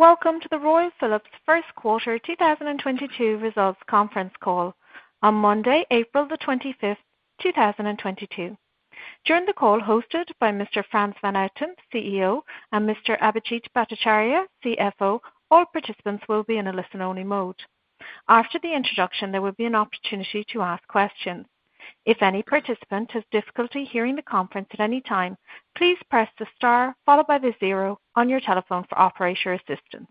Welcome to the Royal Philips Q1 2022 results conference call on Monday, April 25th, 2022. During the call hosted by Mr. Frans van Houten, CEO, and Mr. Abhijit Bhattacharya, CFO, all participants will be in a listen-only mode. After the introduction, there will be an opportunity to ask questions. If any participant has difficulty hearing the conference at any time, please press the star followed by the zero on your telephone for operator assistance.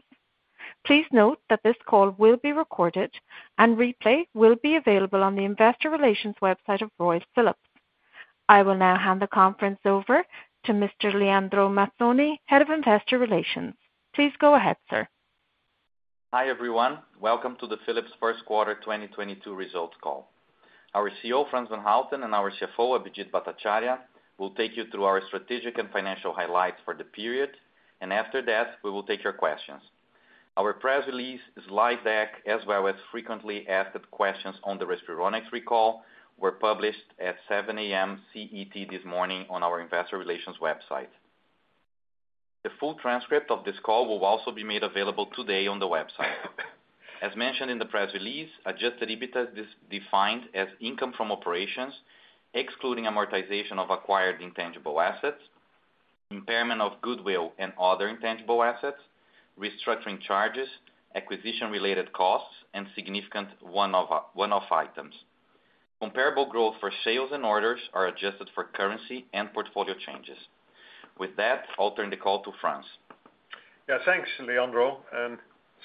Please note that this call will be recorded and replay will be available on the investor relations website of Royal Philips. I will now hand the conference over to Mr. Leandro Mazzoni, Head of Investor Relations. Please go ahead, sir. Hi, everyone. Welcome to the Philips Q1 2022 results call. Our CEO, Frans van Houten, and our CFO, Abhijit Bhattacharya, will take you through our strategic and financial highlights for the period. After that, we will take your questions. Our press release slide deck, as well as frequently asked questions on the Respironics recall, were published at 7:00 A.M. CET this morning on our investor relations website. The full transcript of this call will also be made available today on the website. As mentioned in the press release, adjusted EBITA is defined as income from operations, excluding amortization of acquired intangible assets, impairment of goodwill and other intangible assets, restructuring charges, acquisition-related costs, and significant one-off items. Comparable growth for sales and orders are adjusted for currency and portfolio changes. With that, I'll turn the call to Frans. Yeah. Thanks, Leandro, and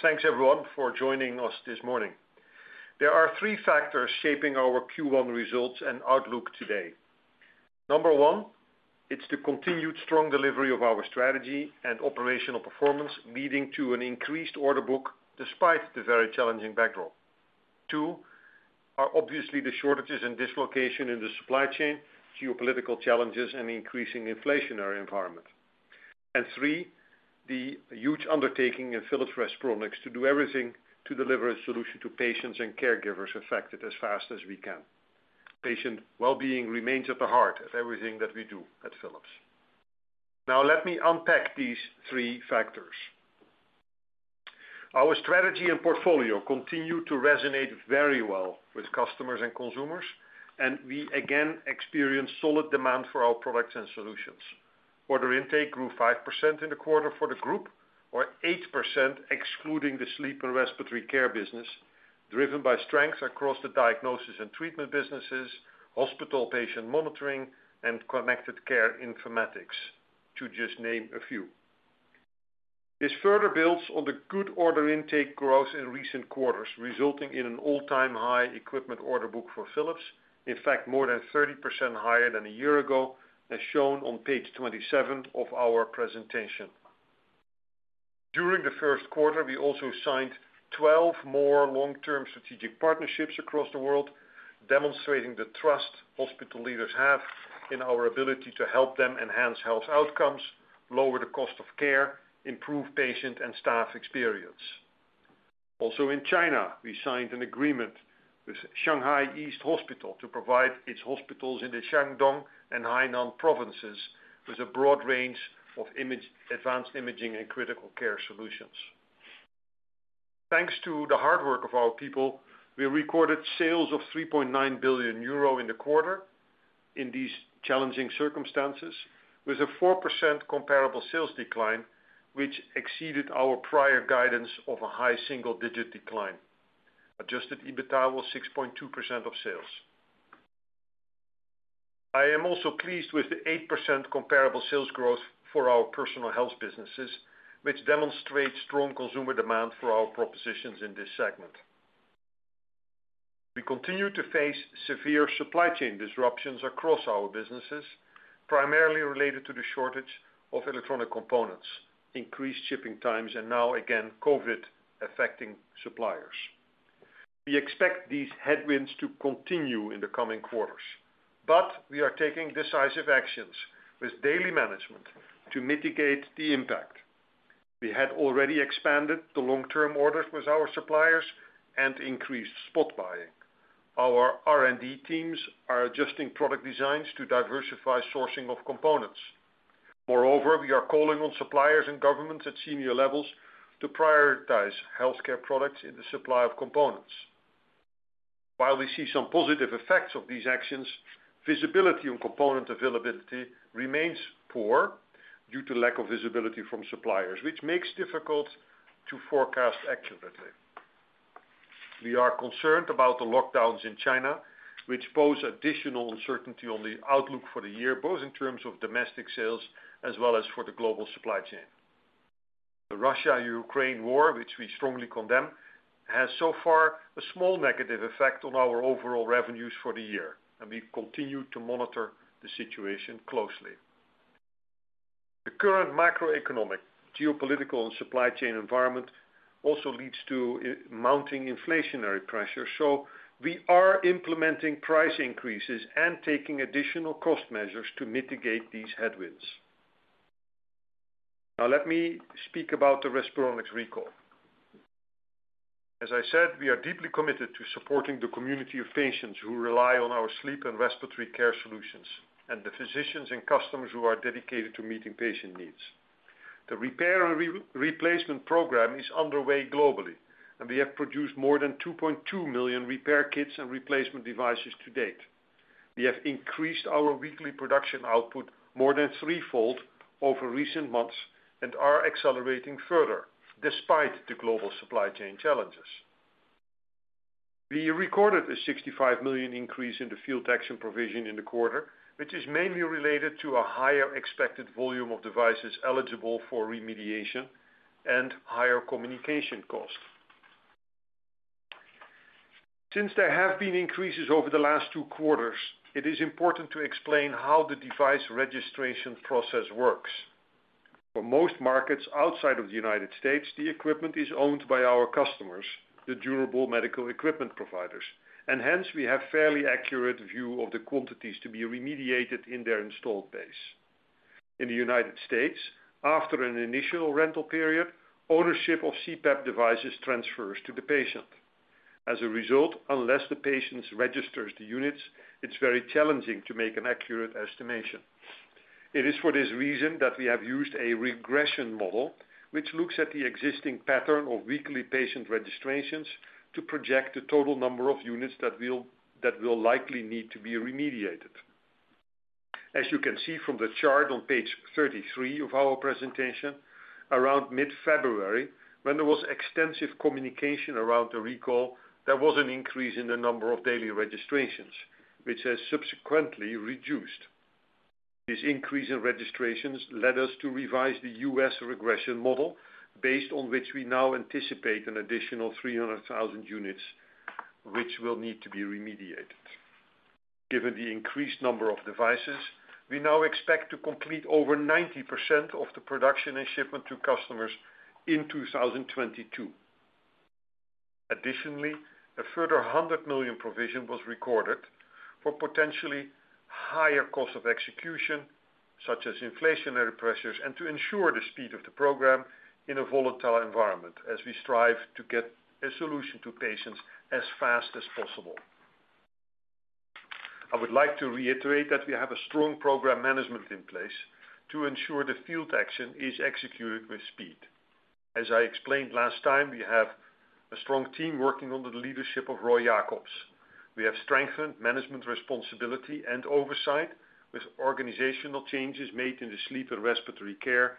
thanks everyone for joining us this morning. There are three factors shaping our Q1 results and outlook today. Number one, it's the continued strong delivery of our strategy and operational performance, leading to an increased order book despite the very challenging backdrop. Two, are obviously the shortages and dislocation in the supply chain, geopolitical challenges, and increasing inflationary environment. Three, the huge undertaking in Philips Respironics to do everything to deliver a solution to patients and caregivers affected as fast as we can. Patient well-being remains at the heart of everything that we do at Philips. Now let me unpack these three factors. Our strategy and portfolio continue to resonate very well with customers and consumers, and we again experience solid demand for our products and solutions. Order intake grew 5% in the quarter for the group or 8% excluding the sleep and respiratory care business, driven by strength across the Diagnosis and Treatment businesses, Hospital Patient Monitoring, and Connected Care informatics, to just name a few. This further builds on the good order intake growth in recent quarters, resulting in an all-time high equipment order book for Philips. In fact, more than 30% higher than a year ago, as shown on page 27 of our presentation. During the first quarter, we also signed 12 more long-term strategic partnerships across the world, demonstrating the trust hospital leaders have in our ability to help them enhance health outcomes, lower the cost of care, improve patient and staff experience. In China, we signed an agreement with Shanghai East Hospital to provide its hospitals in the Shandong and Hainan provinces with a broad range of advanced imaging and critical care solutions. Thanks to the hard work of our people, we recorded sales of 3.9 billion euro in the quarter in these challenging circumstances, with a 4% comparable sales decline, which exceeded our prior guidance of a high single-digit decline. Adjusted EBITA was 6.2% of sales. I am also pleased with the 8% comparable sales growth for our personal health businesses, which demonstrates strong consumer demand for our propositions in this segment. We continue to face severe supply chain disruptions across our businesses, primarily related to the shortage of electronic components, increased shipping times, and now again, COVID affecting suppliers. We expect these headwinds to continue in the coming quarters, but we are taking decisive actions with daily management to mitigate the impact. We had already expanded the long-term orders with our suppliers and increased spot buying. Our R&D teams are adjusting product designs to diversify sourcing of components. Moreover, we are calling on suppliers and governments at senior levels to prioritize healthcare products in the supply of components. While we see some positive effects of these actions, visibility on component availability remains poor due to lack of visibility from suppliers, which makes it difficult to forecast accurately. We are concerned about the lockdowns in China, which pose additional uncertainty on the outlook for the year, both in terms of domestic sales as well as for the global supply chain. The Russia-Ukraine war, which we strongly condemn, has so far a small negative effect on our overall revenues for the year, and we continue to monitor the situation closely. The current macroeconomic, geopolitical, and supply chain environment also leads to mounting inflationary pressure. We are implementing price increases and taking additional cost measures to mitigate these headwinds. Now let me speak about the Respironics recall. As I said, we are deeply committed to supporting the community of patients who rely on our sleep and respiratory care solutions and the physicians and customers who are dedicated to meeting patient needs. The repair and replacement program is underway globally, and we have produced more than 2.2 million repair kits and replacement devices to date. We have increased our weekly production output more than threefold over recent months and are accelerating further despite the global supply chain challenges. We recorded a 65 million increase in the field action provision in the quarter, which is mainly related to a higher expected volume of devices eligible for remediation and higher communication costs. There have been increases over the last two quarters, it is important to explain how the device registration process works. For most markets outside of the United States, the equipment is owned by our customers, the durable medical equipment providers, and hence we have a fairly accurate view of the quantities to be remediated in their installed base. In the United States, after an initial rental period, ownership of CPAP devices transfers to the patient. As a result, unless the patient registers the units, it's very challenging to make an accurate estimation. It is for this reason that we have used a regression model which looks at the existing pattern of weekly patient registrations to project the total number of units that will likely need to be remediated. As you can see from the chart on page 33 of our presentation, around mid-February, when there was extensive communication around the recall, there was an increase in the number of daily registrations, which has subsequently reduced. This increase in registrations led us to revise the U.S. regression model based on which we now anticipate an additional 300,000 units which will need to be remediated. Given the increased number of devices, we now expect to complete over 90% of the production and shipment to customers in 2022. Additionally, a further 100 million provision was recorded for potentially higher cost of execution, such as inflationary pressures, and to ensure the speed of the program in a volatile environment as we strive to get a solution to patients as fast as possible. I would like to reiterate that we have a strong program management in place to ensure the field action is executed with speed. As I explained last time, we have a strong team working under the leadership of Roy Jakobs. We have strengthened management responsibility and oversight with organizational changes made in the sleep and respiratory care,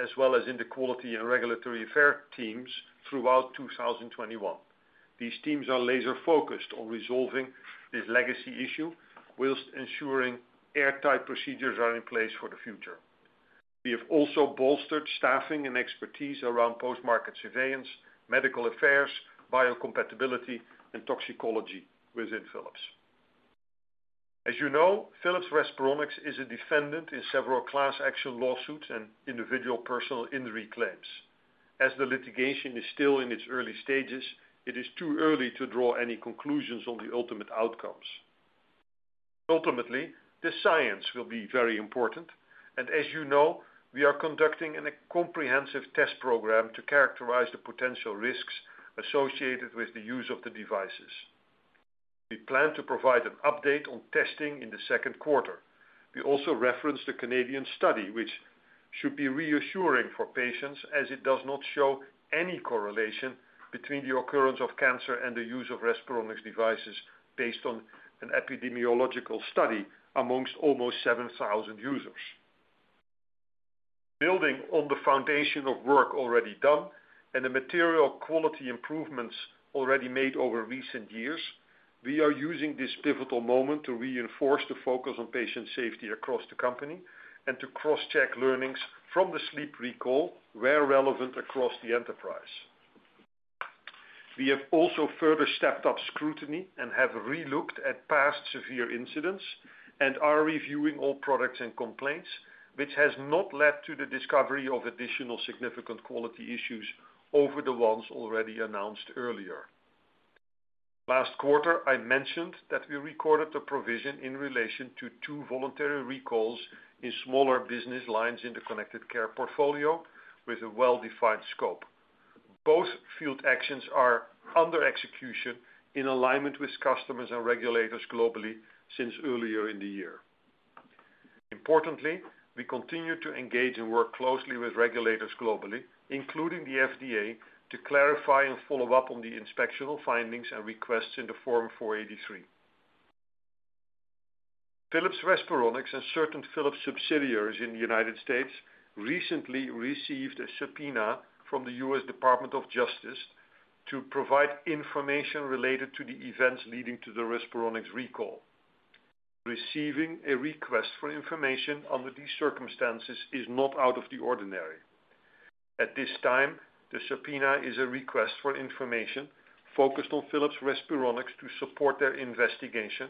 as well as in the quality and regulatory affairs teams throughout 2021. These teams are laser-focused on resolving this legacy issue while ensuring airtight procedures are in place for the future. We have also bolstered staffing and expertise around post-market surveillance, medical affairs, biocompatibility, and toxicology within Philips. As you know, Philips Respironics is a defendant in several class action lawsuits and individual personal injury claims. As the litigation is still in its early stages, it is too early to draw any conclusions on the ultimate outcomes. Ultimately, the science will be very important, and as you know, we are conducting a comprehensive test program to characterize the potential risks associated with the use of the devices. We plan to provide an update on testing in the second quarter. We also reference the Canadian study, which should be reassuring for patients as it does not show any correlation between the occurrence of cancer and the use of Respironics devices based on an epidemiological study among almost 7,000 users. Building on the foundation of work already done and the material quality improvements already made over recent years, we are using this pivotal moment to reinforce the focus on patient safety across the company and to cross-check learnings from the sleep recall where relevant across the enterprise. We have also further stepped up scrutiny and have relooked at past severe incidents and are reviewing all products and complaints which has not led to the discovery of additional significant quality issues over the ones already announced earlier. Last quarter, I mentioned that we recorded a provision in relation to two voluntary recalls in smaller business lines in the Connected Care portfolio with a well-defined scope. Both field actions are under execution in alignment with customers and regulators globally since earlier in the year. Importantly, we continue to engage and work closely with regulators globally, including the FDA, to clarify and follow up on the inspectional findings and requests in the Form 483. Philips Respironics and certain Philips subsidiaries in the United States recently received a subpoena from the U.S. Department of Justice to provide information related to the events leading to the Respironics recall. Receiving a request for information under these circumstances is not out of the ordinary. At this time, the subpoena is a request for information focused on Philips Respironics to support their investigation,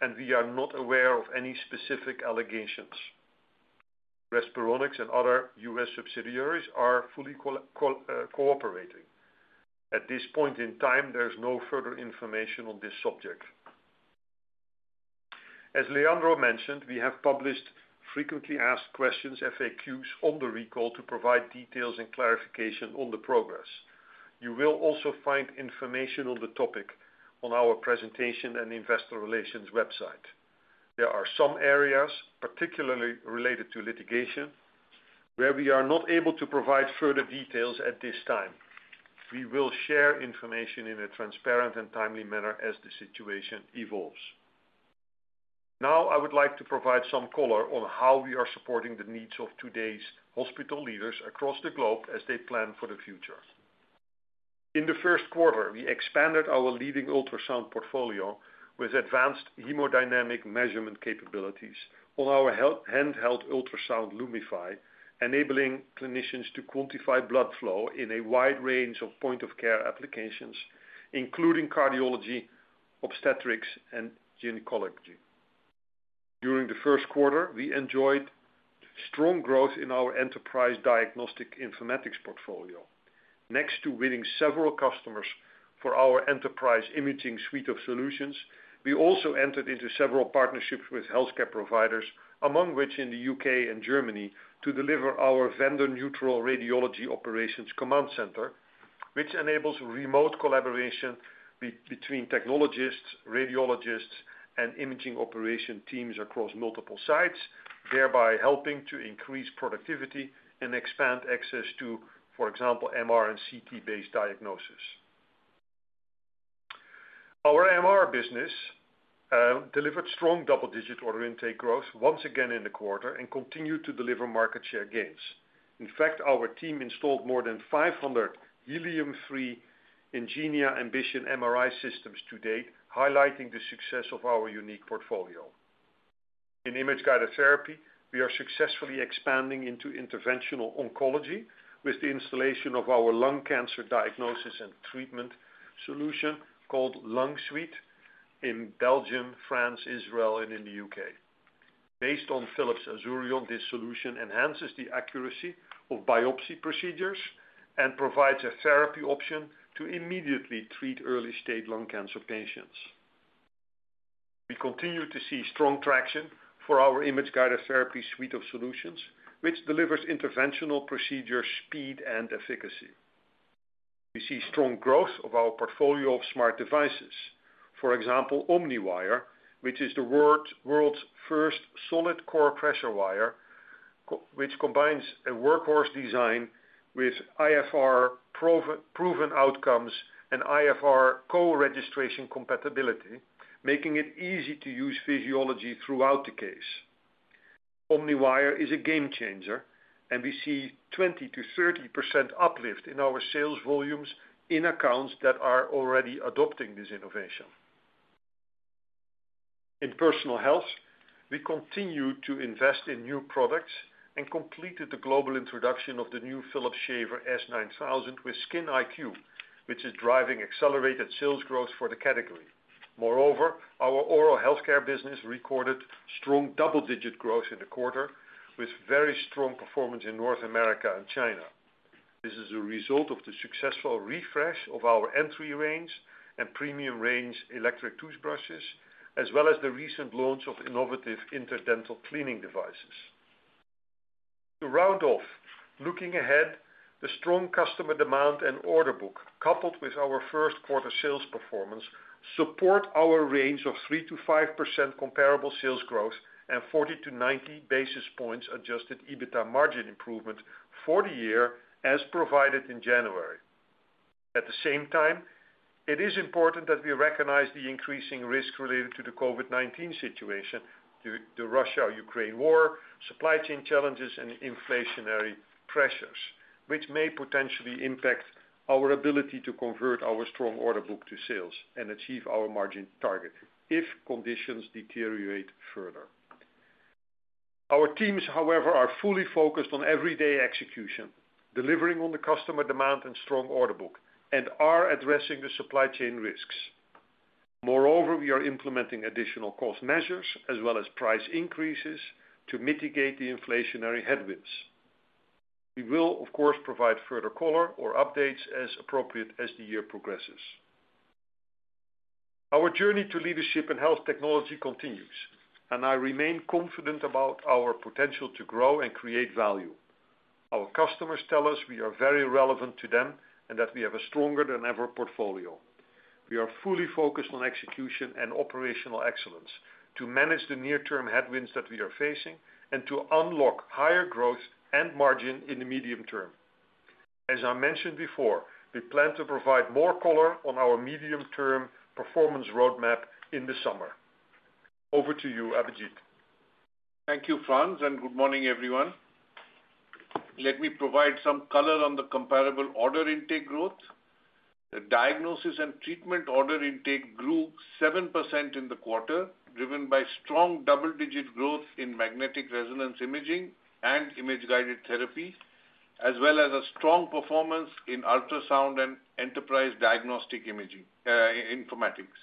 and we are not aware of any specific allegations. Respironics and other U.S. subsidiaries are fully cooperating. At this point in time, there's no further information on this subject. As Leandro mentioned, we have published frequently asked questions, FAQs, on the recall to provide details and clarification on the progress. You will also find information on the topic on our presentation and investor relations website. There are some areas, particularly related to litigation, where we are not able to provide further details at this time. We will share information in a transparent and timely manner as the situation evolves. Now, I would like to provide some color on how we are supporting the needs of today's hospital leaders across the globe as they plan for the future. In the first quarter, we expanded our leading ultrasound portfolio with advanced hemodynamic measurement capabilities on our handheld ultrasound Lumify, enabling clinicians to quantify blood flow in a wide range of point-of-care applications, including cardiology, obstetrics, and gynecology. During the first quarter, we enjoyed strong growth in our enterprise diagnostic informatics portfolio. Next to winning several customers for our enterprise imaging suite of solutions, we also entered into several partnerships with healthcare providers, among which in the U.K. and Germany, to deliver our vendor-neutral radiology operations command center, which enables remote collaboration between technologists, radiologists, and imaging operation teams across multiple sites, thereby helping to increase productivity and expand access to, for example, MR and CT-based diagnosis. Our MR business delivered strong double-digit order intake growth once again in the quarter and continued to deliver market share gains. In fact, our team installed more than 500 helium-free Ingenia Ambition MRI systems to date, highlighting the success of our unique portfolio. In Image-Guided Therapy, we are successfully expanding into interventional oncology with the installation of our lung cancer diagnosis and treatment solution called Lung Suite in Belgium, France, Israel, and in the U.K. Based on Philips Azurion, this solution enhances the accuracy of biopsy procedures and provides a therapy option to immediately treat early-stage lung cancer patients. We continue to see strong traction for our Image-Guided Therapy suite of solutions, which delivers interventional procedure, speed, and efficacy. We see strong growth of our portfolio of smart devices. For example, OmniWire, which is the world's first solid core pressure guide wire which combines a workhorse design with iFR proven outcomes and iFR coregistration compatibility, making it easy to use physiology throughout the case. OmniWire is a game changer, and we see 20%-30% uplift in our sales volumes in accounts that are already adopting this innovation. In Personal Health, we continue to invest in new products and completed the global introduction of the new Philips Shaver S9000 with SkinIQ, which is driving accelerated sales growth for the category. Moreover, our oral healthcare business recorded strong double-digit growth in the quarter with very strong performance in North America and China. This is a result of the successful refresh of our entry range and premium range electric toothbrushes, as well as the recent launch of innovative interdental cleaning devices. To round off, looking ahead, the strong customer demand and order book, coupled with our first quarter sales performance, support our 3%-5% comparable sales growth and 40-90 basis points adjusted EBITA margin improvement for the year as provided in January. At the same time, it is important that we recognize the increasing risk related to the COVID-19 situation, the Russia-Ukraine war, supply chain challenges, and inflationary pressures, which may potentially impact our ability to convert our strong order book to sales and achieve our margin target if conditions deteriorate further. Our teams, however, are fully focused on everyday execution, delivering on the customer demand and strong order book, and are addressing the supply chain risks. Moreover, we are implementing additional cost measures as well as price increases to mitigate the inflationary headwinds. We will, of course, provide further color or updates as appropriate as the year progresses. Our journey to leadership in health technology continues, and I remain confident about our potential to grow and create value. Our customers tell us we are very relevant to them and that we have a stronger than ever portfolio. We are fully focused on execution and operational excellence to manage the near-term headwinds that we are facing and to unlock higher growth and margin in the medium term. As I mentioned before, we plan to provide more color on our medium-term performance roadmap in the summer. Over to you, Abhijit. Thank you, Frans, and good morning, everyone. Let me provide some color on the comparable order intake growth. The Diagnosis & Treatment order intake grew 7% in the quarter, driven by strong double-digit growth in magnetic resonance imaging and Image-Guided Therapy, as well as a strong performance in ultrasound and enterprise diagnostic imaging informatics.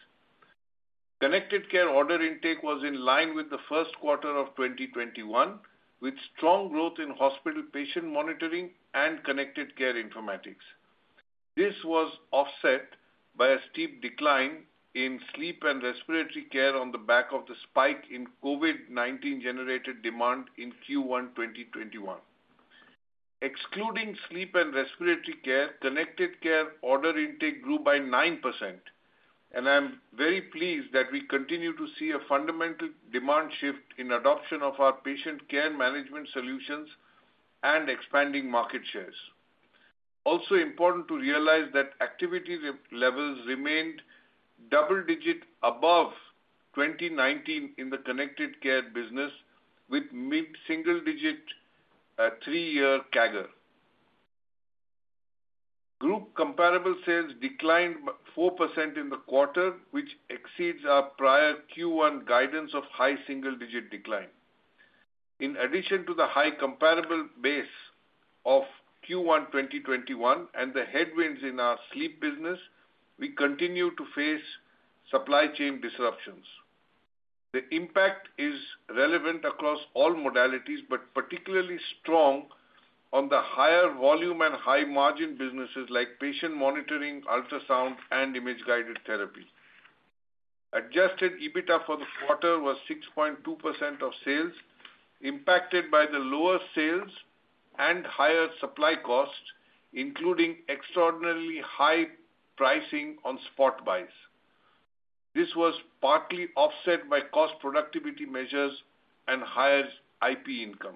Connected Care order intake was in line with the first quarter of 2021, with strong growth in hospital patient monitoring and Connected Care informatics. This was offset by a steep decline in sleep and respiratory care on the back of the spike in COVID-19-generated demand in Q1 2021. Excluding sleep and respiratory care, Connected Care order intake grew by 9%, and I'm very pleased that we continue to see a fundamental demand shift in adoption of our patient care management solutions and expanding market shares. Also important to realize that activity levels remained double-digit above 2019 in the Connected Care business with mid-single-digit three year CAGR. Group comparable sales declined by 4% in the quarter, which exceeds our prior Q1 guidance of high single-digit decline. In addition to the high comparable base of Q1 2021 and the headwinds in our sleep business, we continue to face supply chain disruptions. The impact is relevant across all modalities, but particularly strong on the higher volume and high-margin businesses like patient monitoring, ultrasound, and Image-Guided Therapy. Adjusted EBITDA for the quarter was 6.2% of sales impacted by the lower sales and higher supply costs, including extraordinarily high pricing on spot buys. This was partly offset by cost productivity measures and higher IP income.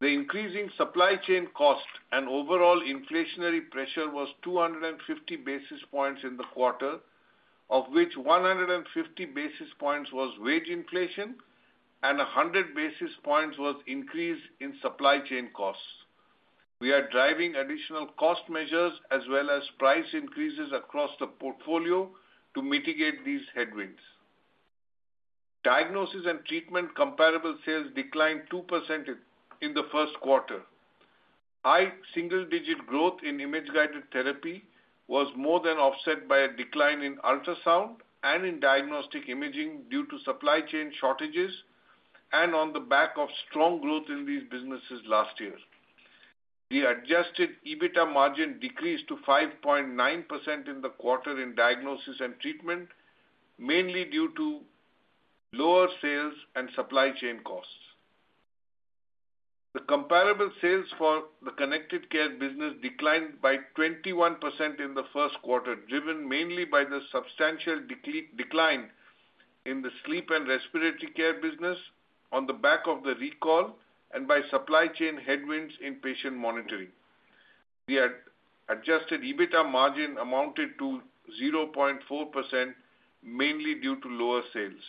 The increasing supply chain cost and overall inflationary pressure was 250 basis points in the quarter, of which 150 basis points was wage inflation and 100 basis points was increase in supply chain costs. We are driving additional cost measures as well as price increases across the portfolio to mitigate these headwinds. Diagnosis and Treatment comparable sales declined 2% in the first quarter. High single-digit growth in Image-Guided Therapy was more than offset by a decline in ultrasound and in diagnostic imaging due to supply chain shortages and on the back of strong growth in these businesses last year. The adjusted EBITA margin decreased to 5.9% in the quarter in Diagnosis and Treatment, mainly due to lower sales and supply chain costs. The comparable sales for the Connected Care business declined by 21% in the first quarter, driven mainly by the substantial decline in the sleep and respiratory care business on the back of the recall and by supply chain headwinds in patient monitoring. The adjusted EBITDA margin amounted to 0.4%, mainly due to lower sales.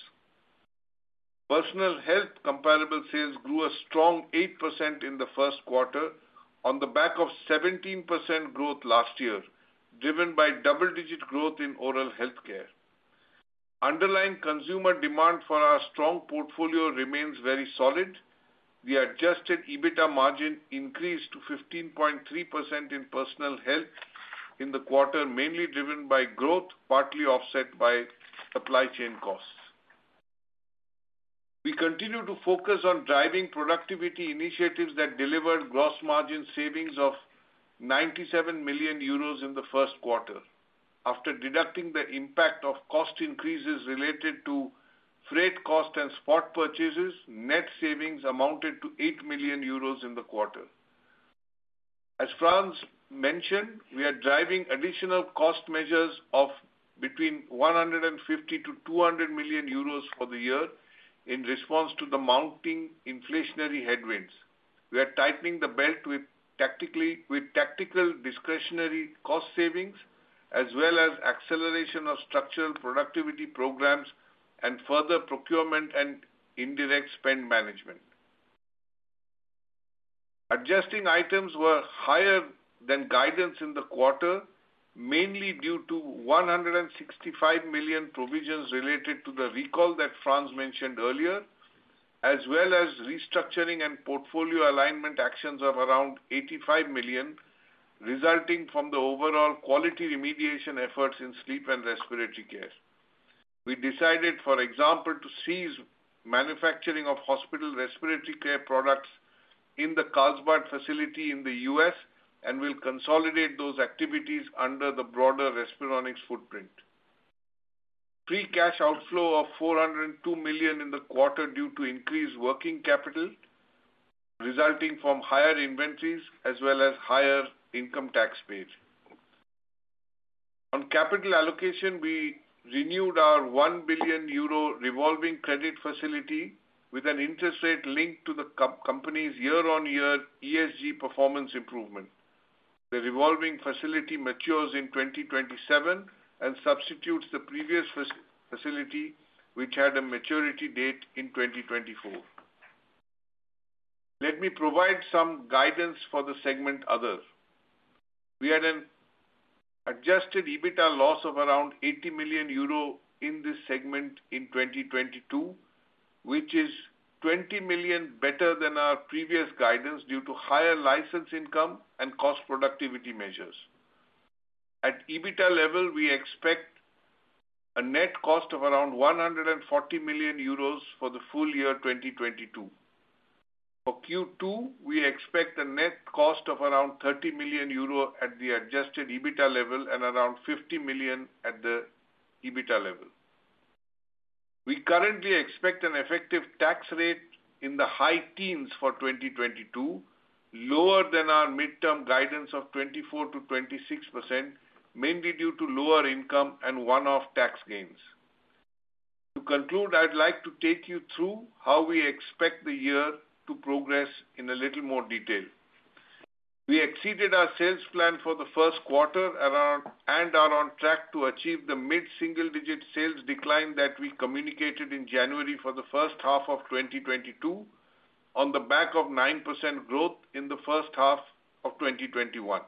Personal Health comparable sales grew a strong 8% in the first quarter on the back of 17% growth last year, driven by double-digit growth in oral healthcare. Underlying consumer demand for our strong portfolio remains very solid. The adjusted EBITDA margin increased to 15.3% in Personal Health in the quarter, mainly driven by growth, partly offset by supply chain costs. We continue to focus on driving productivity initiatives that deliver gross margin savings of 97 million euros in the first quarter. After deducting the impact of cost increases related to freight cost and spot purchases, net savings amounted to 8 million euros in the quarter. As Frans mentioned, we are driving additional cost measures of between 150 million-200 million euros for the year in response to the mounting inflationary headwinds. We are tightening the belt with tactical discretionary cost savings as well as acceleration of structural productivity programs and further procurement and indirect spend management. Adjusting items were higher than guidance in the quarter, mainly due to 165 million provisions related to the recall that Frans mentioned earlier, as well as restructuring and portfolio alignment actions of around 85 million, resulting from the overall quality remediation efforts in sleep and respiratory care. We decided, for example, to cease manufacturing of hospital respiratory care products in the Carlsbad facility in the U.S., and we'll consolidate those activities under the broader Respironics footprint. Free cash outflow of 402 million in the quarter due to increased working capital resulting from higher inventories as well as higher income tax paid. On capital allocation, we renewed our 1 billion euro revolving credit facility with an interest rate linked to the company's year-on-year ESG performance improvement. The revolving facility matures in 2027 and substitutes the previous facility, which had a maturity date in 2024. Let me provide some guidance for the Other segment. We had an adjusted EBITDA loss of around 80 million euro in this segment in 2022, which is 20 million better than our previous guidance due to higher license income and cost productivity measures. At EBITDA level, we expect a net cost of around 140 million euros for the full year 2022. For Q2, we expect a net cost of around 30 million euro at the adjusted EBITDA level and around 50 million at the EBITDA level. We currently expect an effective tax rate in the high teens for 2022, lower than our midterm guidance of 24%-26%, mainly due to lower income and one-off tax gains. To conclude, I'd like to take you through how we expect the year to progress in a little more detail. We exceeded our sales plan for the first quarter, and are on track to achieve the mid-single-digit sales decline that we communicated in January for the first half of 2022 on the back of 9% growth in the first half of 2021.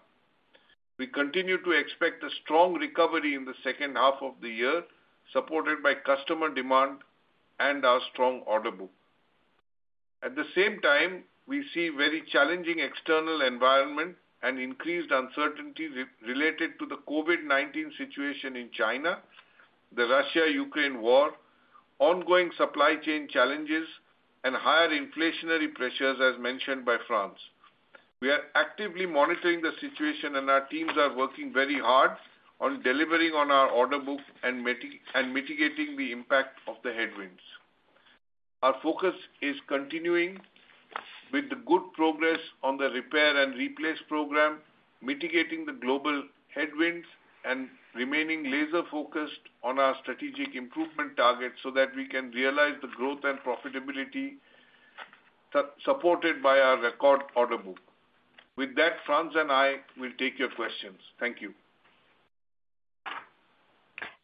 We continue to expect a strong recovery in the second half of the year, supported by customer demand and our strong order book. At the same time, we see very challenging external environment and increased uncertainty related to the COVID-19 situation in China, the Russia-Ukraine war, ongoing supply chain challenges, and higher inflationary pressures, as mentioned by Frans. We are actively monitoring the situation, and our teams are working very hard on delivering on our order book and mitigating the impact of the headwinds. Our focus is continuing with the good progress on the repair and replace program, mitigating the global headwinds, and remaining laser-focused on our strategic improvement targets so that we can realize the growth and profitability supported by our record order book. With that, Frans and I will take your questions. Thank you.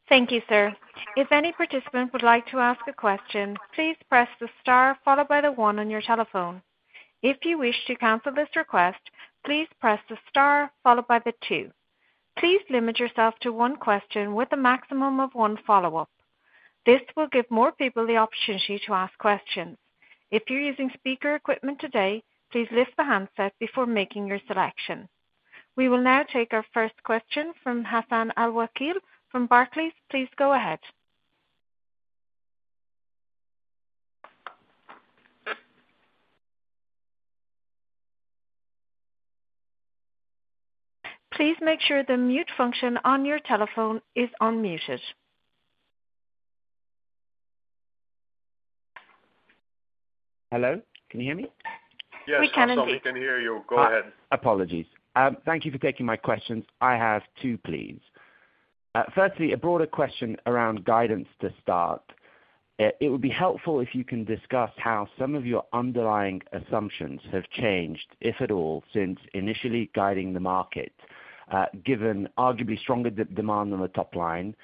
Thank you, sir. If any participant would like to ask a question, please press the star followed by the one on your telephone. If you wish to cancel this request, please press the star followed by the two. Please limit yourself to one question with a maximum of one follow-up. This will give more people the opportunity to ask questions. If you're using speaker equipment today, please lift the handset before making your selection. We will now take our first question from Hassan Al-Wakeel from Barclays. Please go ahead. Please make sure the mute function on your telephone is unmuted. Hello, can you hear me? We can indeed. Yes, Hassan, we can hear you. Go ahead. Apologies. Thank you for taking my questions. I have two, please. Firstly, a broader question around guidance to start. It would be helpful if you can discuss how some of your underlying assumptions have changed, if at all, since initially guiding the market, given arguably stronger demand on the top line,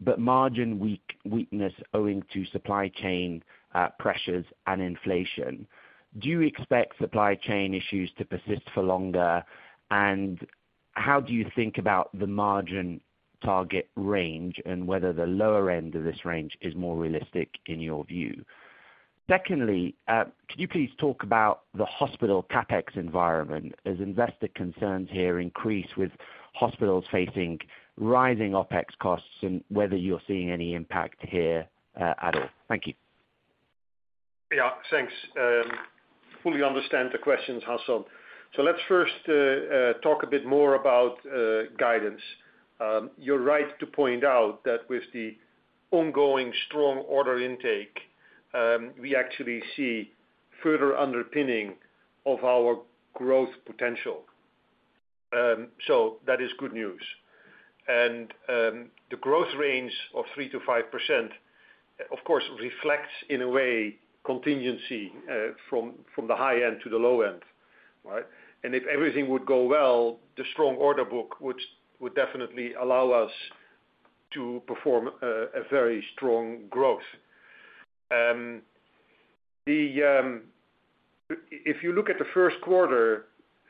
but margin weakness owing to supply chain pressures and inflation. Do you expect supply chain issues to persist for longer? How do you think about the margin target range and whether the lower end of this range is more realistic in your view? Secondly, could you please talk about the hospital CapEx environment as investor concerns here increase with hospitals facing rising OpEx costs and whether you're seeing any impact here at all? Thank you. Yeah, thanks. I fully understand the questions, Hassan. Let's first talk a bit more about guidance. You're right to point out that with the ongoing strong order intake, we actually see further underpinning of our growth potential. That is good news. The growth range of 3%-5%, of course, reflects in a way contingency from the high end to the low end, right? If everything would go well, the strong order book would definitely allow us to perform a very strong growth. If you look at the first quarter,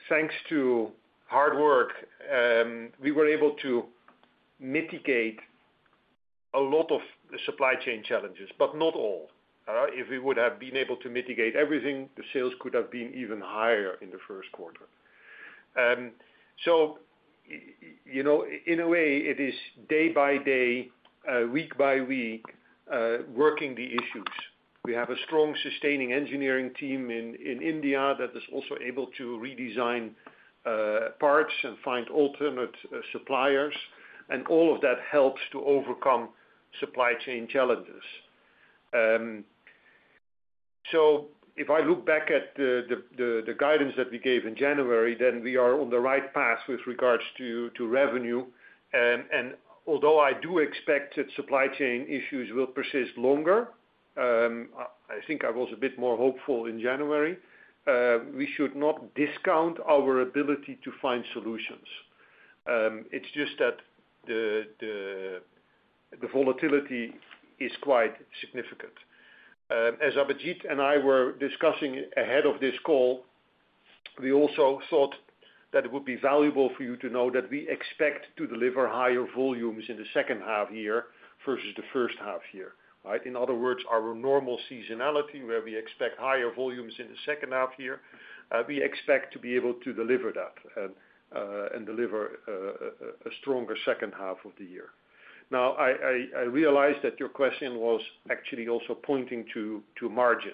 thanks to hard work, we were able to mitigate a lot of the supply chain challenges, but not all. If we would have been able to mitigate everything, the sales could have been even higher in the first quarter. You know, in a way, it is day by day, week by week, working the issues. We have a strong sustaining engineering team in India that is also able to redesign parts and find alternate suppliers, and all of that helps to overcome supply chain challenges. If I look back at the guidance that we gave in January, then we are on the right path with regards to revenue. Although I do expect that supply chain issues will persist longer, I think I was a bit more hopeful in January, we should not discount our ability to find solutions. It's just that the volatility is quite significant. As Abhijit and I were discussing ahead of this call, we also thought that it would be valuable for you to know that we expect to deliver higher volumes in the second half year versus the first half year, right? In other words, our normal seasonality, where we expect higher volumes in the second half year, we expect to be able to deliver that and deliver a stronger second half of the year. Now, I realize that your question was actually also pointing to margin.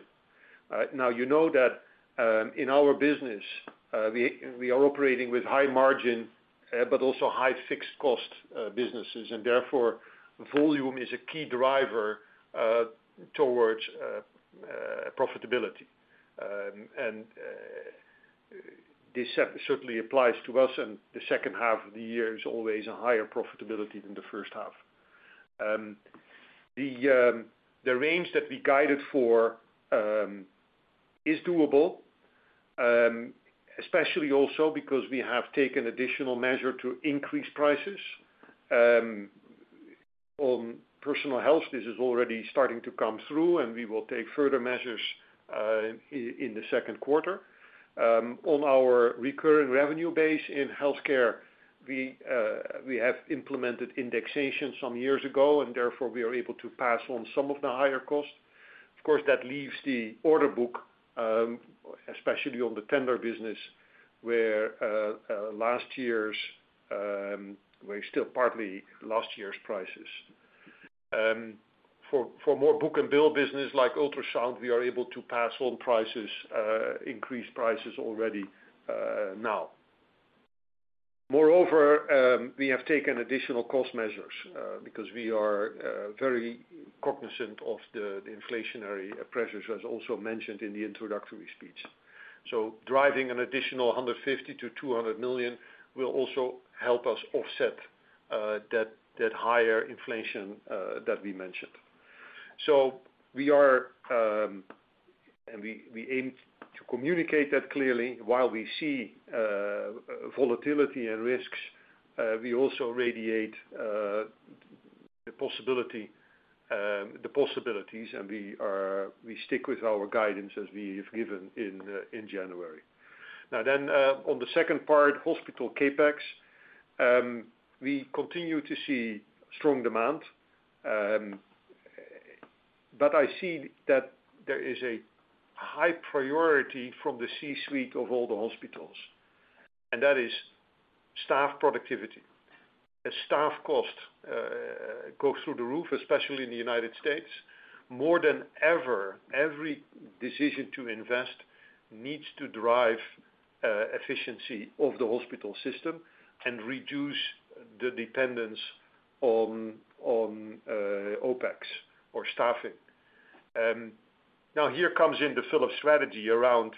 Now, you know that in our business we are operating with high margin but also high fixed cost businesses, and therefore volume is a key driver towards profitability. This certainly applies to us in the second half of the year is always a higher profitability than the first half. The range that we guided for is doable, especially also because we have taken additional measure to increase prices. On personal health, this is already starting to come through, and we will take further measures in the second quarter. On our recurring revenue base in healthcare, we have implemented indexation some years ago, and therefore we are able to pass on some of the higher costs. Of course, that leaves the order book, especially on the tender business, where we're still partly last year's prices. For more book-and-bill business like ultrasound, we are able to pass on price increases already now. Moreover, we have taken additional cost measures because we are very cognizant of the inflationary pressures, as also mentioned in the introductory speech. Driving an additional 150 million-200 million will also help us offset that higher inflation that we mentioned. We are and we aim to communicate that clearly. While we see volatility and risks, we also see the possibilities, and we stick with our guidance as we have given in January. Now, on the second part, hospital CapEx, we continue to see strong demand, but I see that there is a high priority from the C-suite of all the hospitals, and that is staff productivity. As staff cost goes through the roof, especially in the United States, more than ever, every decision to invest needs to drive efficiency of the hospital system and reduce the dependence on OpEx or staffing. Now here comes in the Philips strategy around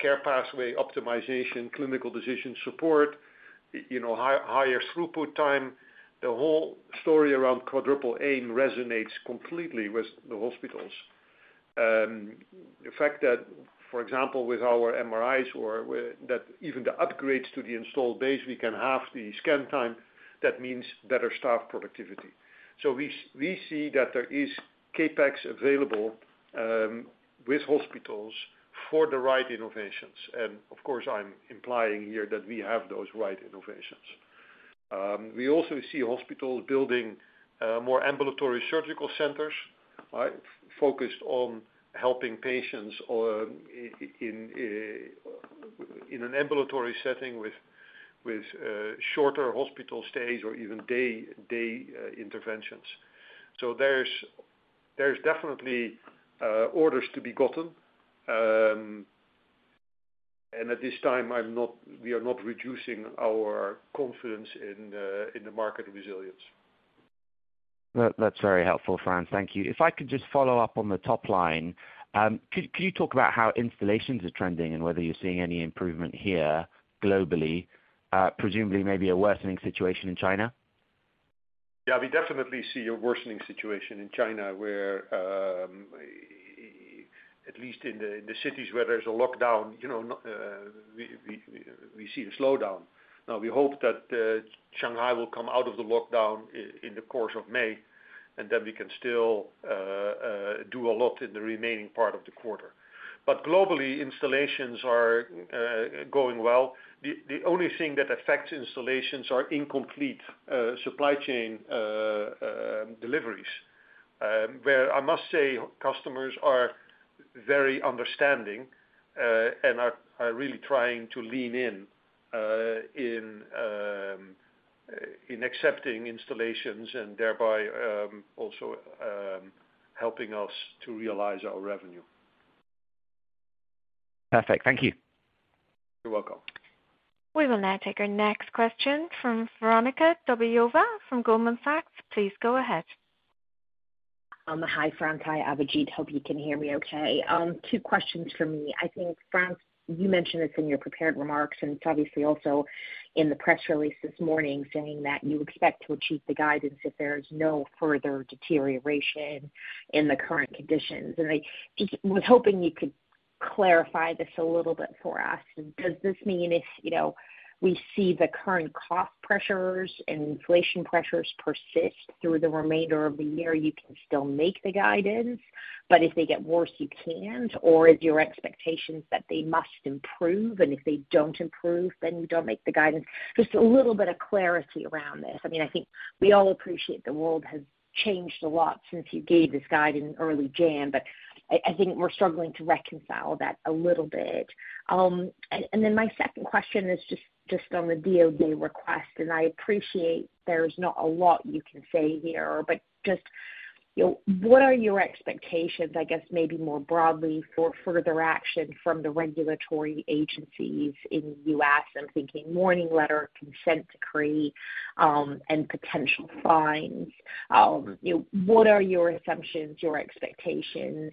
care pathway optimization, clinical decision support, you know, higher throughput time. The whole story around Quadruple Aim resonates completely with the hospitals. The fact that, for example, with our MRIs or that even the upgrades to the installed base, we can halve the scan time, that means better staff productivity. We see that there is CapEx available with hospitals for the right innovations. Of course, I'm implying here that we have those right innovations. We also see hospitals building more ambulatory surgical centers, right? Focused on helping patients in an ambulatory setting with shorter hospital stays or even day interventions. There's definitely orders to be gotten. At this time, we are not reducing our confidence in the market resilience. That, that's very helpful, Frans. Thank you. If I could just follow up on the top line. Could you talk about how installations are trending and whether you're seeing any improvement here globally, presumably maybe a worsening situation in China? Yeah, we definitely see a worsening situation in China, where, at least in the cities where there's a lockdown, you know, we see the slowdown. Now, we hope that Shanghai will come out of the lockdown in the course of May, and then we can still do a lot in the remaining part of the quarter. Globally, installations are going well. The only thing that affects installations are incomplete supply chain deliveries. Where I must say customers are very understanding and are really trying to lean in in accepting installations and thereby also helping us to realize our revenue. Perfect. Thank you. You're welcome. We will now take our next question from Veronika Dubajova from Goldman Sachs. Please go ahead. Hi, Frans, hi, Abhijit. Hope you can hear me okay. Two questions from me. I think, Frans, you mentioned this in your prepared remarks, and it's obviously also in the press release this morning saying that you expect to achieve the guidance if there is no further deterioration in the current conditions. I just was hoping you could clarify this a little bit for us. Does this mean if, you know, we see the current cost pressures and inflation pressures persist through the remainder of the year, you can still make the guidance, but if they get worse, you can't? Or is your expectation that they must improve, and if they don't improve, then you don't make the guidance? Just a little bit of clarity around this. I mean, I think we all appreciate the world has changed a lot since you gave this guidance early January, but I think we're struggling to reconcile that a little bit. Then my second question is just on the DOJ request, and I appreciate there's not a lot you can say here, but just, you know, what are your expectations, I guess maybe more broadly, for further action from the regulatory agencies in U.S.? I'm thinking warning letter, consent decree, and potential fines. You know, what are your assumptions, your expectations,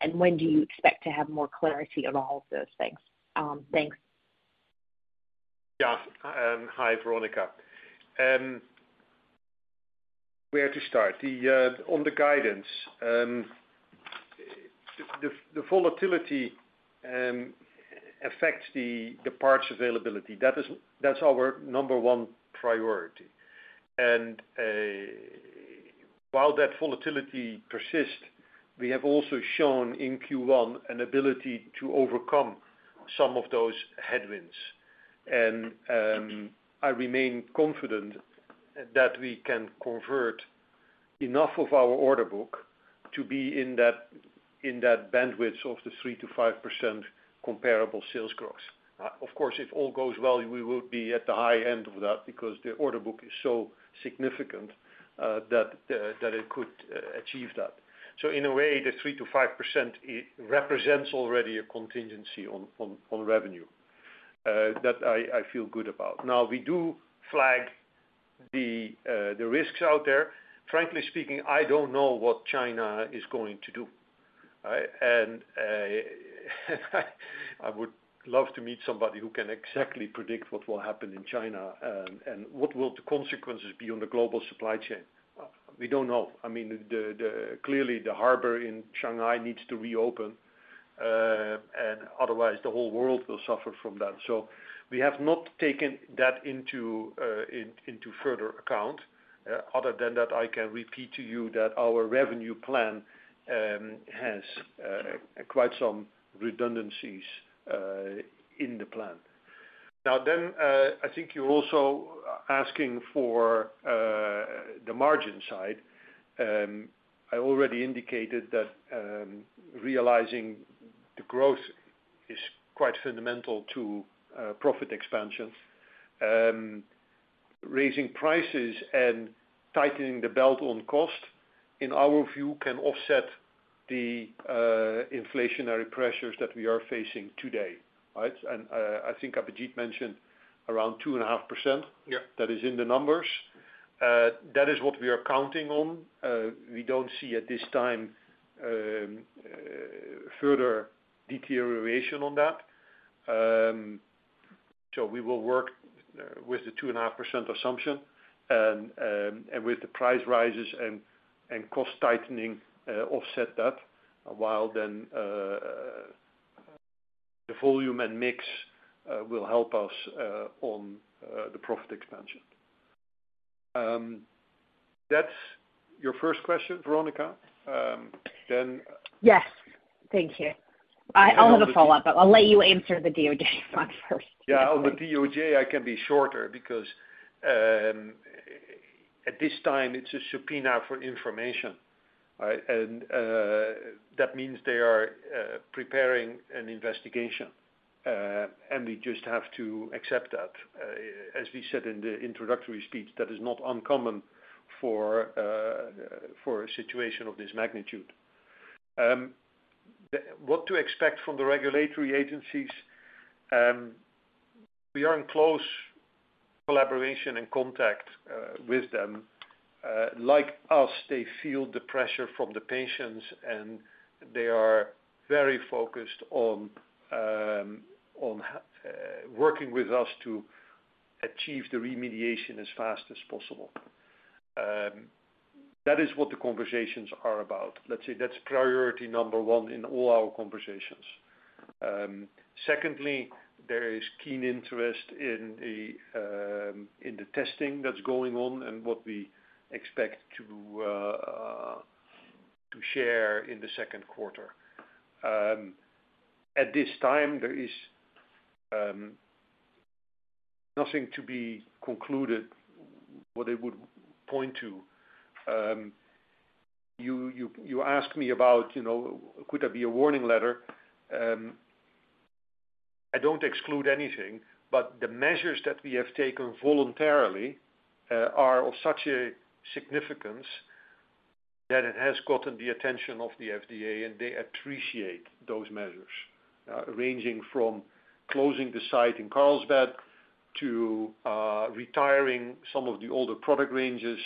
and when do you expect to have more clarity on all of those things? Thanks. Yeah. Hi, Veronika. Where to start? The volatility affects the parts availability. That is, that's our number one priority. While that volatility persists, we have also shown in Q1 an ability to overcome some of those headwinds. I remain confident that we can convert enough of our order book to be in that bandwidth of the 3%-5% comparable sales growth. Of course, if all goes well, we will be at the high end of that because the order book is so significant that it could achieve that. In a way, the 3%-5%, it represents already a contingency on revenue that I feel good about. Now, we do flag the risks out there. Frankly speaking, I don't know what China is going to do, all right? I would love to meet somebody who can exactly predict what will happen in China and what will the consequences be on the global supply chain. We don't know. I mean, clearly, the harbor in Shanghai needs to reopen, and otherwise, the whole world will suffer from that. We have not taken that into further account. Other than that, I can repeat to you that our revenue plan has quite some redundancies in the plan. Now then, I think you're also asking for the margin side. I already indicated that realizing the growth is quite fundamental to profit expansions. Raising prices and tightening the belt on cost, in our view, can offset the inflationary pressures that we are facing today, right? I think Abhijit mentioned around 2.5%. Yeah. That is in the numbers. That is what we are counting on. We don't see at this time further deterioration on that. We will work with the 2.5% assumption, and with the price rises and cost tightening offset that, while then the volume and mix will help us on the profit expansion. That's your first question, Veronica? Yes. Thank you. I'll have a follow-up, but I'll let you answer the DOJ one first. Yeah. On the DOJ, I can be shorter because at this time, it's a subpoena for information, all right? That means they are preparing an investigation, and we just have to accept that. As we said in the introductory speech, that is not uncommon for a situation of this magnitude. What to expect from the regulatory agencies, we are in close collaboration and contact with them. Like us, they feel the pressure from the patients, and they are very focused on working with us to achieve the remediation as fast as possible. That is what the conversations are about. Let's say that's priority number one in all our conversations. Secondly, there is keen interest in the testing that's going on and what we expect to share in the second quarter. At this time, there is nothing to be concluded what it would point to. You asked me about, you know, could there be a warning letter? I don't exclude anything, but the measures that we have taken voluntarily are of such a significance that it has gotten the attention of the FDA, and they appreciate those measures ranging from closing the site in Carlsbad to retiring some of the older product ranges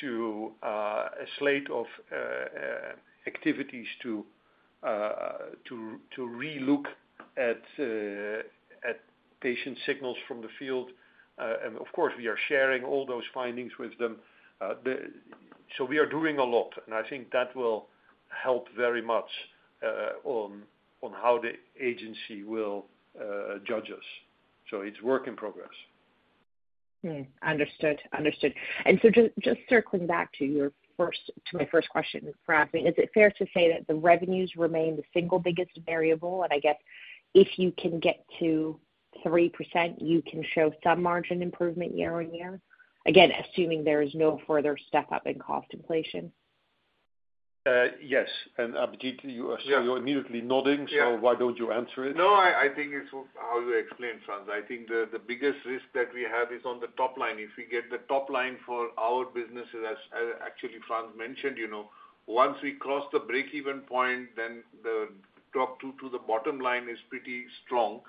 to a slate of activities to relook at patient signals from the field. Of course, we are sharing all those findings with them. We are doing a lot, and I think that will help very much on how the agency will judge us. It's work in progress. Understood. Just circling back to my first question, is it fair to say that the revenues remain the single biggest variable? I guess if you can get to 3%, you can show some margin improvement year-over-year, again, assuming there is no further step-up in cost inflation. Yes. Abhijit, you are immediately nodding. Yeah. Why don't you answer it? No, I think it's how you explained, Frans. I think the biggest risk that we have is on the top line. If we get the top line for our businesses, as actually Frans mentioned, you know, once we cross the break-even point, then the top to the bottom line is pretty strong.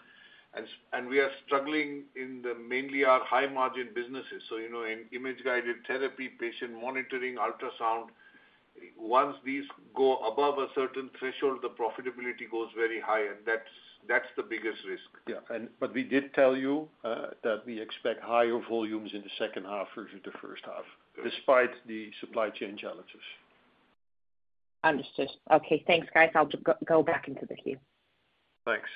We are struggling mainly in our high margin businesses. You know, in Image-Guided Therapy, patient monitoring, ultrasound, once these go above a certain threshold, the profitability goes very high, and that's the biggest risk. We did tell you that we expect higher volumes in the second half versus the first half. Yes. Despite the supply chain challenges. Understood. Okay. Thanks, guys. I'll go back into the queue. Thanks.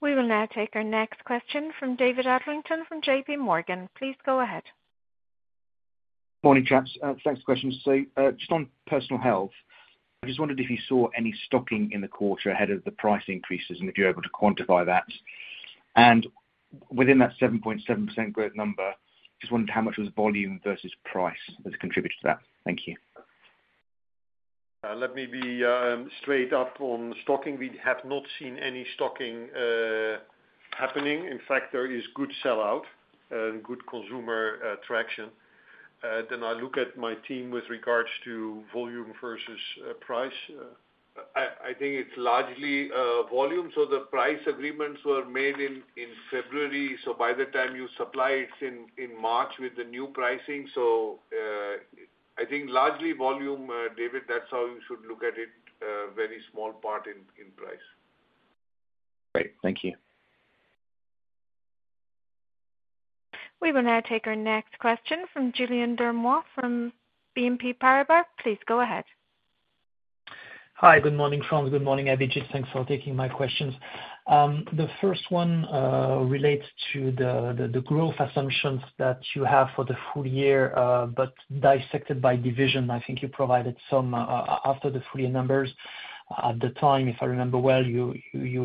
We will now take our next question from David Adlington from JPMorgan. Please go ahead. Morning, chaps. First question. Just on Personal Health, I just wondered if you saw any stocking in the quarter ahead of the price increases and if you're able to quantify that. Within that 7.7% growth number, just wondered how much was volume versus price has contributed to that. Thank you. Let me be straight up on the stocking. We have not seen any stocking happening. In fact, there is good sell-out and good consumer traction. I look at my team with regards to volume versus price. I think it's largely volume. The price agreements were made in February, so by the time you supply, it's in March with the new pricing. I think largely volume, David, that's how you should look at it, a very small part in price. Great. Thank you. We will now take our next question from Julien Dormois from BNP Paribas. Please go ahead. Hi, good morning, Frans. Good morning, Abhijit. Thanks for taking my questions. The first one relates to the growth assumptions that you have for the full year, but dissected by division. I think you provided some after the full year numbers. At the time, if I remember well, you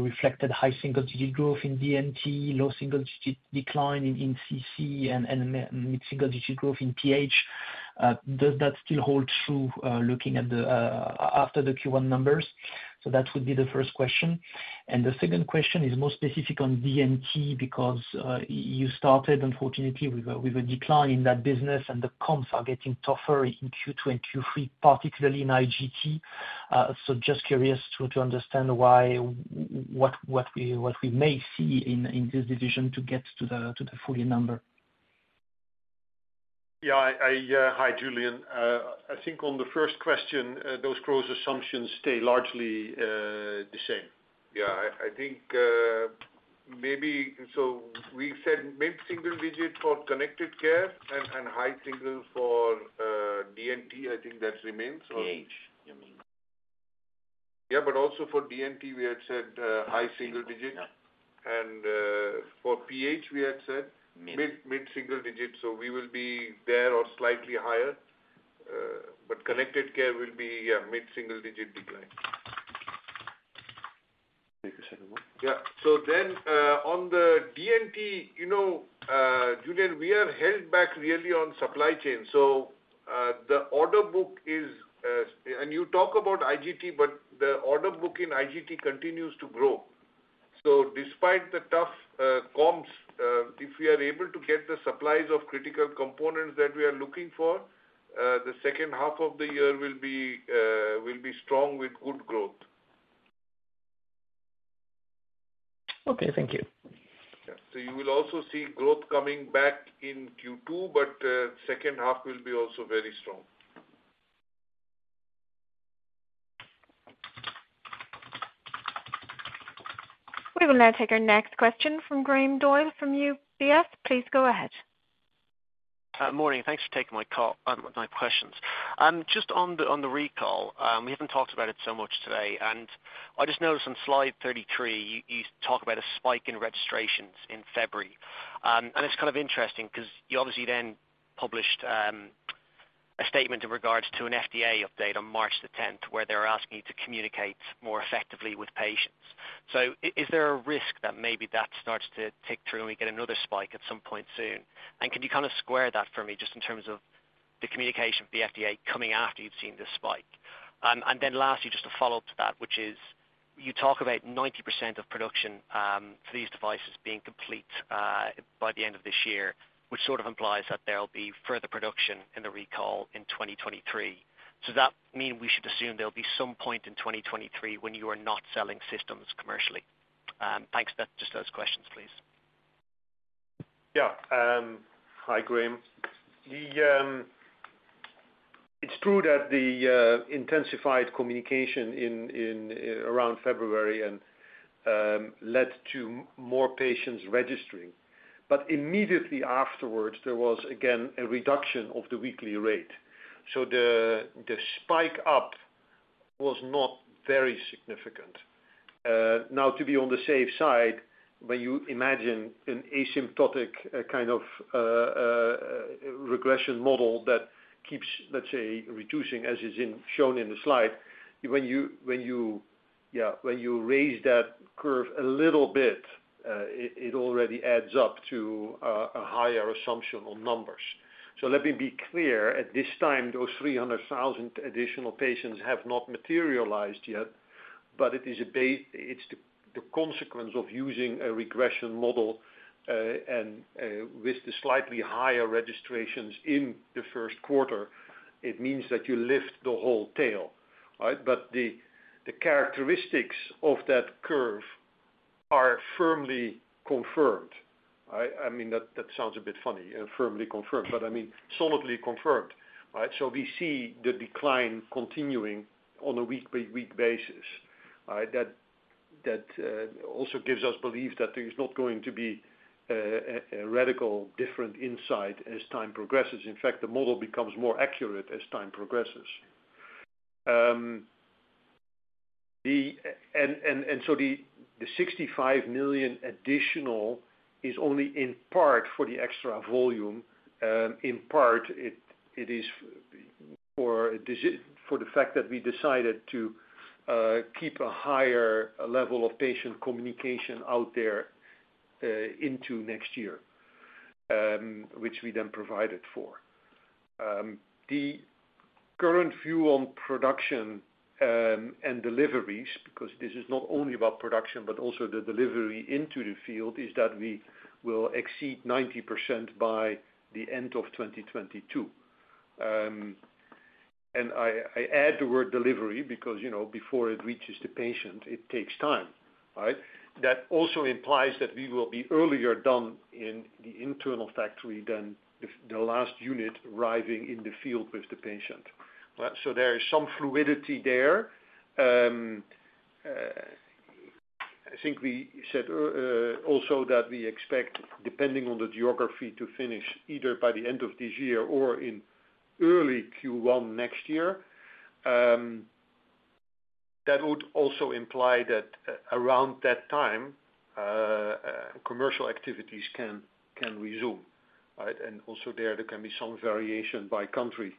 reflected high single-digit growth in D&T, low single-digit decline in CC and mid-single-digit growth in PH. Does that still hold true, looking at the after the Q1 numbers? That would be the first question. The second question is more specific on D&T because you started unfortunately with a decline in that business and the comps are getting tougher in Q2 and Q3, particularly in IGT. Just curious to understand why, what we may see in this division to get to the full year number? Yeah, hi, Julien. I think on the first question, those growth assumptions stay largely the same. Yeah. I think we said mid-single digit for Connected Care and high single for D&T. I think that remains. PH, you mean. Yeah. Also for D&T, we had said high single-digit%. Yeah. For PH, we had said. Mid. Mid-single digits%. We will be there or slightly higher. Connected Care will be, yeah, mid-single-digit% decline. Thank you so much. On the D&T, you know, Julien, we are held back really on supply chain. You talk about IGT, but the order book in IGT continues to grow. Despite the tough comps, if we are able to get the supplies of critical components that we are looking for, the second half of the year will be strong with good growth. Okay, thank you. You will also see growth coming back in Q2, but second half will be also very strong. We will now take our next question from Graham Doyle from UBS. Please go ahead. Morning. Thanks for taking my call, my questions. Just on the recall, we haven't talked about it so much today. I just noticed on slide 33, you talk about a spike in registrations in February. It's kind of interesting because you obviously then published a statement in regards to an FDA update on March 10, where they're asking you to communicate more effectively with patients. Is there a risk that maybe that starts to tick through and we get another spike at some point soon? Can you kind of square that for me just in terms of the communication with the FDA coming after you've seen this spike? Last, just to follow up to that, which is you talk about 90% of production for these devices being complete by the end of this year, which sort of implies that there'll be further production in the recall in 2023. Does that mean we should assume there'll be some point in 2023 when you are not selling systems commercially? Thanks. That's just those questions, please. Hi, Graham. It's true that the intensified communication in and around February led to more patients registering. Immediately afterwards, there was again a reduction of the weekly rate. The spike up was not very significant. Now to be on the safe side, when you imagine an asymptotic kind of regression model that keeps, let's say, reducing as shown in the slide, when you raise that curve a little bit, it already adds up to a higher assumption on numbers. Let me be clear. At this time, those 300,000 additional patients have not materialized yet, but it is—it's the consequence of using a regression model. With the slightly higher registrations in the first quarter, it means that you lift the whole tail, right? The characteristics of that curve are firmly confirmed, right? I mean, that sounds a bit funny, firmly confirmed, but I mean solidly confirmed, right? We see the decline continuing on a week-by-week basis, right? That also gives us belief that there is not going to be a radical different insight as time progresses. In fact, the model becomes more accurate as time progresses. The 65 million additional is only in part for the extra volume, in part it is for the fact that we decided to keep a higher level of patient communication out there into next year, which we then provided for. The current view on production and deliveries, because this is not only about production but also the delivery into the field, is that we will exceed 90% by the end of 2022. I add the word delivery because, you know, before it reaches the patient, it takes time, right? That also implies that we will be earlier done in the internal factory than if the last unit arriving in the field with the patient, right? There is some fluidity there. I think we said also that we expect, depending on the geography, to finish either by the end of this year or in early Q1 next year. That would also imply that around that time, commercial activities can resume, right? Also there can be some variation by country,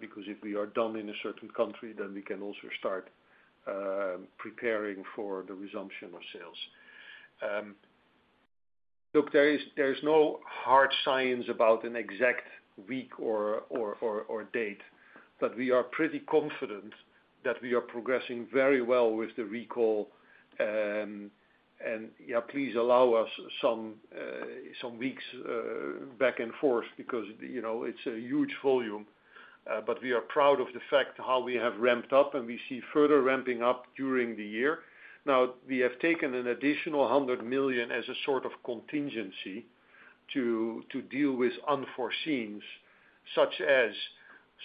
because if we are done in a certain country, then we can also start preparing for the resumption of sales. Look, there is no hard science about an exact week or date, but we are pretty confident that we are progressing very well with the recall. Yeah, please allow us some weeks back and forth because, you know, it's a huge volume. We are proud of the fact how we have ramped up, and we see further ramping up during the year. Now, we have taken an additional 100 million as a sort of contingency to deal with unforeseens such as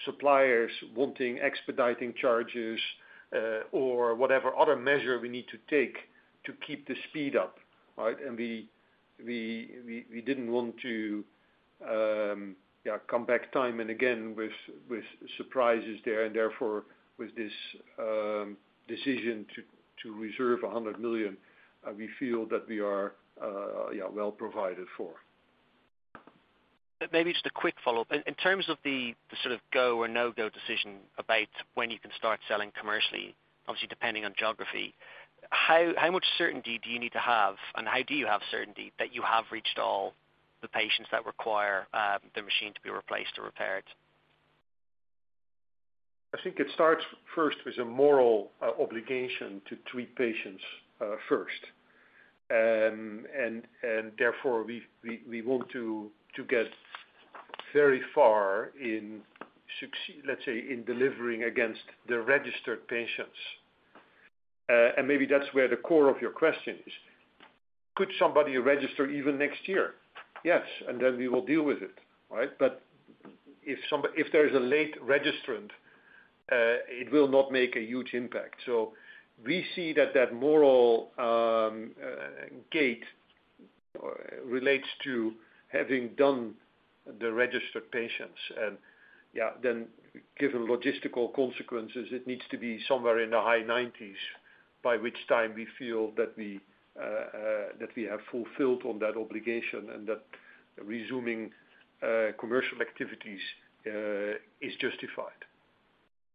suppliers wanting expediting charges, or whatever other measure we need to take to keep the speed up, right? We didn't want to come back time and again with surprises there and therefore with this decision to reserve 100 million, we feel that we are well provided for. Maybe just a quick follow-up. In terms of the sort of go or no-go decision about when you can start selling commercially, obviously depending on geography, how much certainty do you need to have, and how do you have certainty that you have reached all the patients that require the machine to be replaced or repaired? I think it starts first with a moral obligation to treat patients first. Therefore, we want to get very far in succeed, let's say, in delivering against the registered patients. Maybe that's where the core of your question is. Could somebody register even next year? Yes, then we will deal with it, right? If there's a late registrant, it will not make a huge impact. We see that moral gate relates to having done the registered patients and yeah, then given logistical consequences, it needs to be somewhere in the high 90s% by which time we feel that we have fulfilled on that obligation and that resuming commercial activities is justified.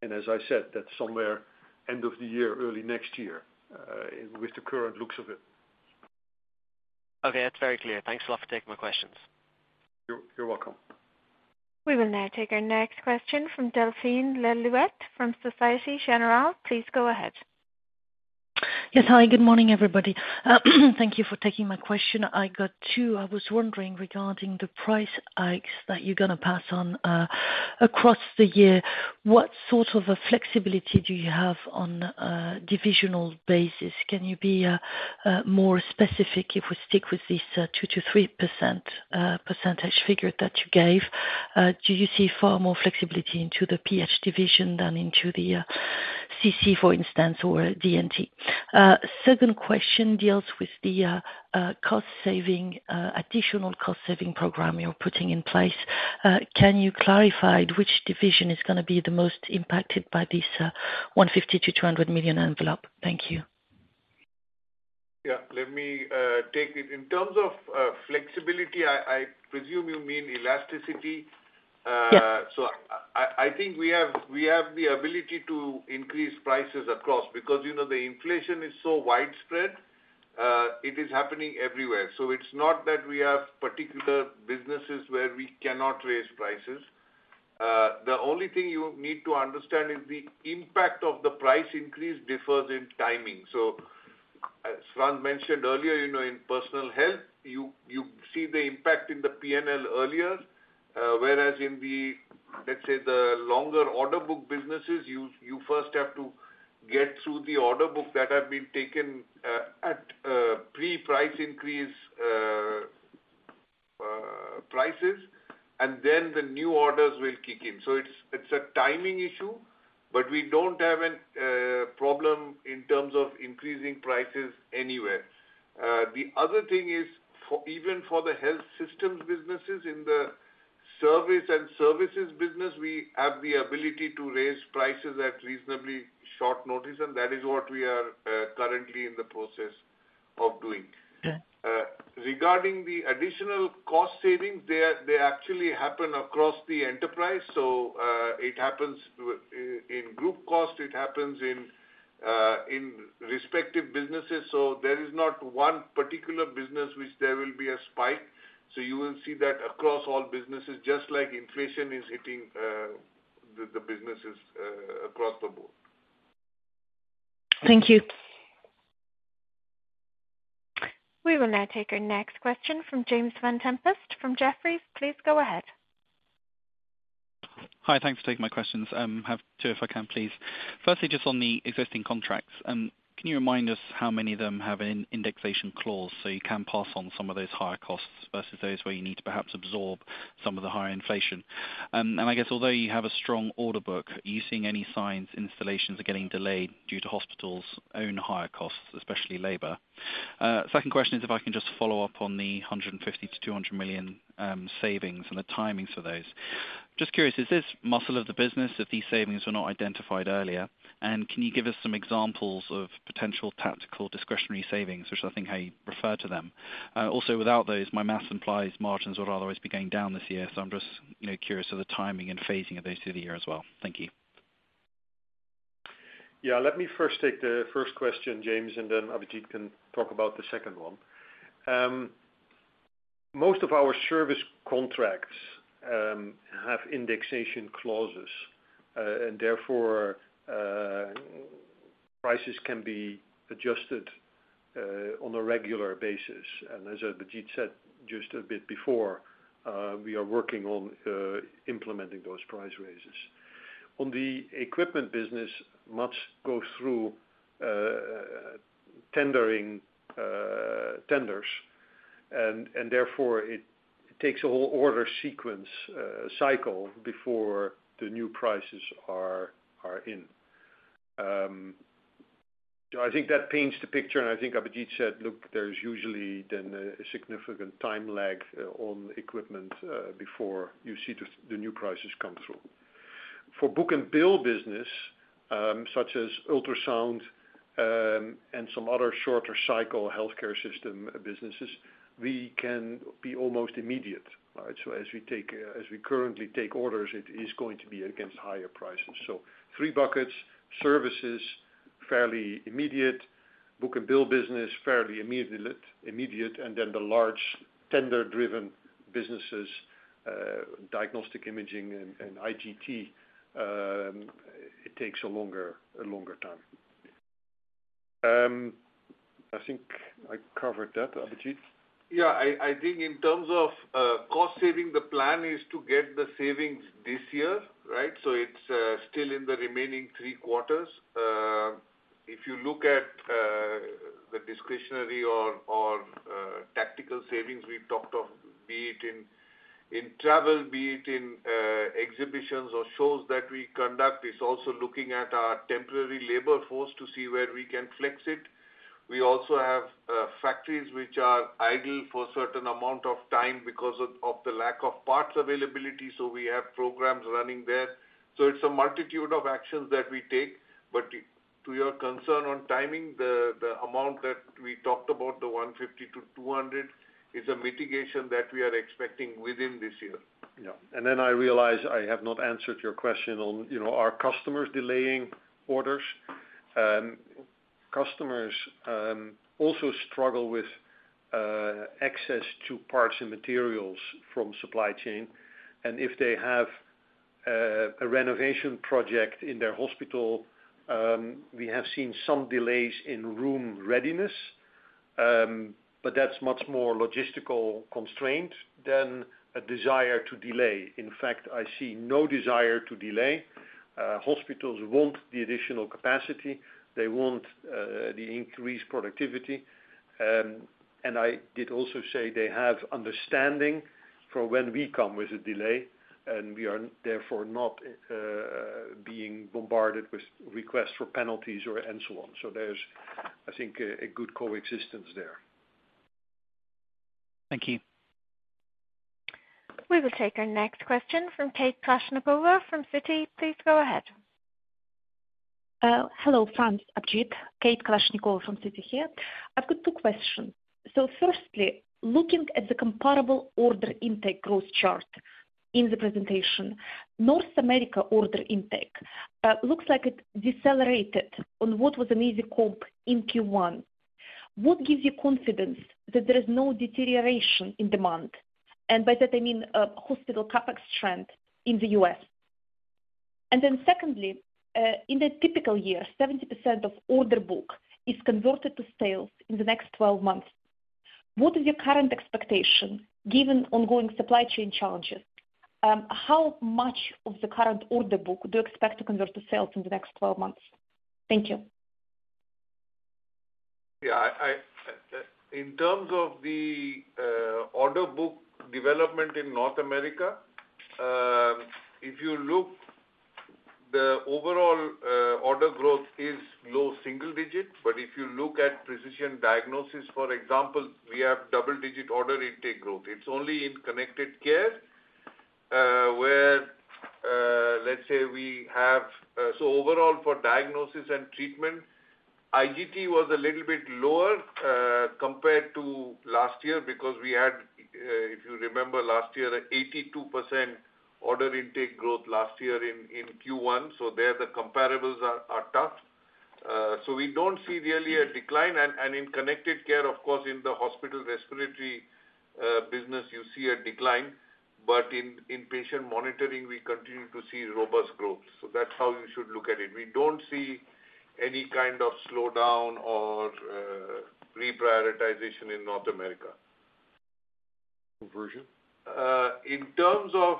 As I said, that's somewhere end of the year, early next year, with the current looks of it. Okay, that's very clear. Thanks a lot for taking my questions. You're welcome. We will now take our next question from Delphine Le Louët from Société Générale. Please go ahead. Yes. Hi, good morning, everybody. Thank you for taking my question. I got two. I was wondering regarding the price hikes that you're gonna pass on across the year, what sort of a flexibility do you have on a divisional basis? Can you be more specific if we stick with this 2%-3% percentage figure that you gave? Do you see far more flexibility into the PH division than into the CC, for instance, or D&T? Second question deals with the cost saving additional cost-saving program you're putting in place. Can you clarify which division is gonna be the most impacted by this 150 million-200 million envelope? Thank you. Yeah, let me take it. In terms of flexibility, I presume you mean elasticity. Yeah. I think we have the ability to increase prices across, because, you know, the inflation is so widespread, it is happening everywhere. It's not that we have particular businesses where we cannot raise prices. The only thing you need to understand is the impact of the price increase differs in timing. As Frans mentioned earlier, you know, in Personal Health, you see the impact in the P&L earlier, whereas in the, let's say, the longer order book businesses, you first have to get through the order book that have been taken at pre-price increase prices, and then the new orders will kick in. It's a timing issue, but we don't have a problem in terms of increasing prices anywhere. The other thing is, for even the health systems businesses, in the services business, we have the ability to raise prices at reasonably short notice, and that is what we are currently in the process of doing. Yeah. Regarding the additional cost savings, they actually happen across the enterprise. It happens within group cost, it happens in respective businesses. There is not one particular business which there will be a spike. You will see that across all businesses, just like inflation is hitting the businesses across the board. Thank you. We will now take our next question from James Vane-Tempest from Jefferies. Please go ahead. Hi. Thanks for taking my questions. I have two if I can, please. Firstly, just on the existing contracts, can you remind us how many of them have an indexation clause so you can pass on some of those higher costs versus those where you need to perhaps absorb some of the higher inflation? And I guess although you have a strong order book, are you seeing any signs installations are getting delayed due to hospitals' own higher costs, especially labor? Second question is if I can just follow up on the 150 million-200 million savings and the timings for those. Just curious, is this muscle of the business, if these savings were not identified earlier? And can you give us some examples of potential tactical discretionary savings, which I think how you refer to them. Also without those, my math implies margins would otherwise be going down this year. I'm just, you know, curious of the timing and phasing of those through the year as well. Thank you. Yeah. Let me first take the first question, James, and then Abhijit can talk about the second one. Most of our service contracts have indexation clauses, and therefore prices can be adjusted on a regular basis. As Abhijit said just a bit before, we are working on implementing those price raises. On the equipment business, much goes through tendering tenders, and therefore it takes a whole order sequence cycle before the new prices are in. I think that paints the picture, and I think Abhijit said, look, there's usually then a significant time lag on equipment before you see the new prices come through. For book and bill business, such as ultrasound, and some other shorter cycle healthcare system businesses, we can be almost immediate, right? As we currently take orders, it is going to be against higher prices. Three buckets, services, fairly immediate, book and bill business, fairly immediate, and then the large tender-driven businesses, diagnostic imaging and IGT, it takes a longer time. I think I covered that. Abhijit? Yeah. I think in terms of cost saving, the plan is to get the savings this year, right? It's still in the remaining three quarters. If you look at the discretionary or tactical savings we've talked of, be it in travel, be it in exhibitions or shows that we conduct, it's also looking at our temporary labor force to see where we can flex it. We also have factories which are idle for a certain amount of time because of the lack of parts availability, so we have programs running there. It's a multitude of actions that we take. To your concern on timing, the amount that we talked about, 150 million-200 million, is a mitigation that we are expecting within this year. Yeah. I realize I have not answered your question on, you know, are customers delaying orders. Customers also struggle with access to parts and materials from supply chain. If they have a renovation project in their hospital, we have seen some delays in room readiness, but that's much more logistical constraint than a desire to delay. In fact, I see no desire to delay. Hospitals want the additional capacity. They want the increased productivity. I did also say they have understanding for when we come with a delay, and we are therefore not being bombarded with requests for penalties or and so on. There's, I think, a good coexistence there. Thank you. We will take our next question from Kate Kalashnikova from Citi. Please go ahead. Hello, Frans, Abhijit. Kate Kalashnikova from Citi here. I've got two questions. Firstly, looking at the comparable order intake growth chart in the presentation, North America order intake looks like it decelerated on what was an easy comp in Q1. What gives you confidence that there is no deterioration in demand? By that, I mean, hospital CapEx trend in the U.S. Secondly, in a typical year, 70% of order book is converted to sales in the next twelve months. What is your current expectation given ongoing supply chain challenges? How much of the current order book do you expect to convert to sales in the next twelve months? Thank you. Yeah, in terms of the order book development in North America, if you look, the overall order growth is low single digits. If you look at Precision Diagnosis, for example, we have double-digit order intake growth. It's only in Connected Care. Overall for Diagnosis and Treatment, IGT was a little bit lower compared to last year because we had, if you remember last year, 82% order intake growth last year in Q1. There the comparables are tough. We don't see really a decline. In Connected Care, of course, in the hospital respiratory business, you see a decline. In patient monitoring, we continue to see robust growth. That's how you should look at it. We don't see any kind of slowdown or reprioritization in North America. Conversion? In terms of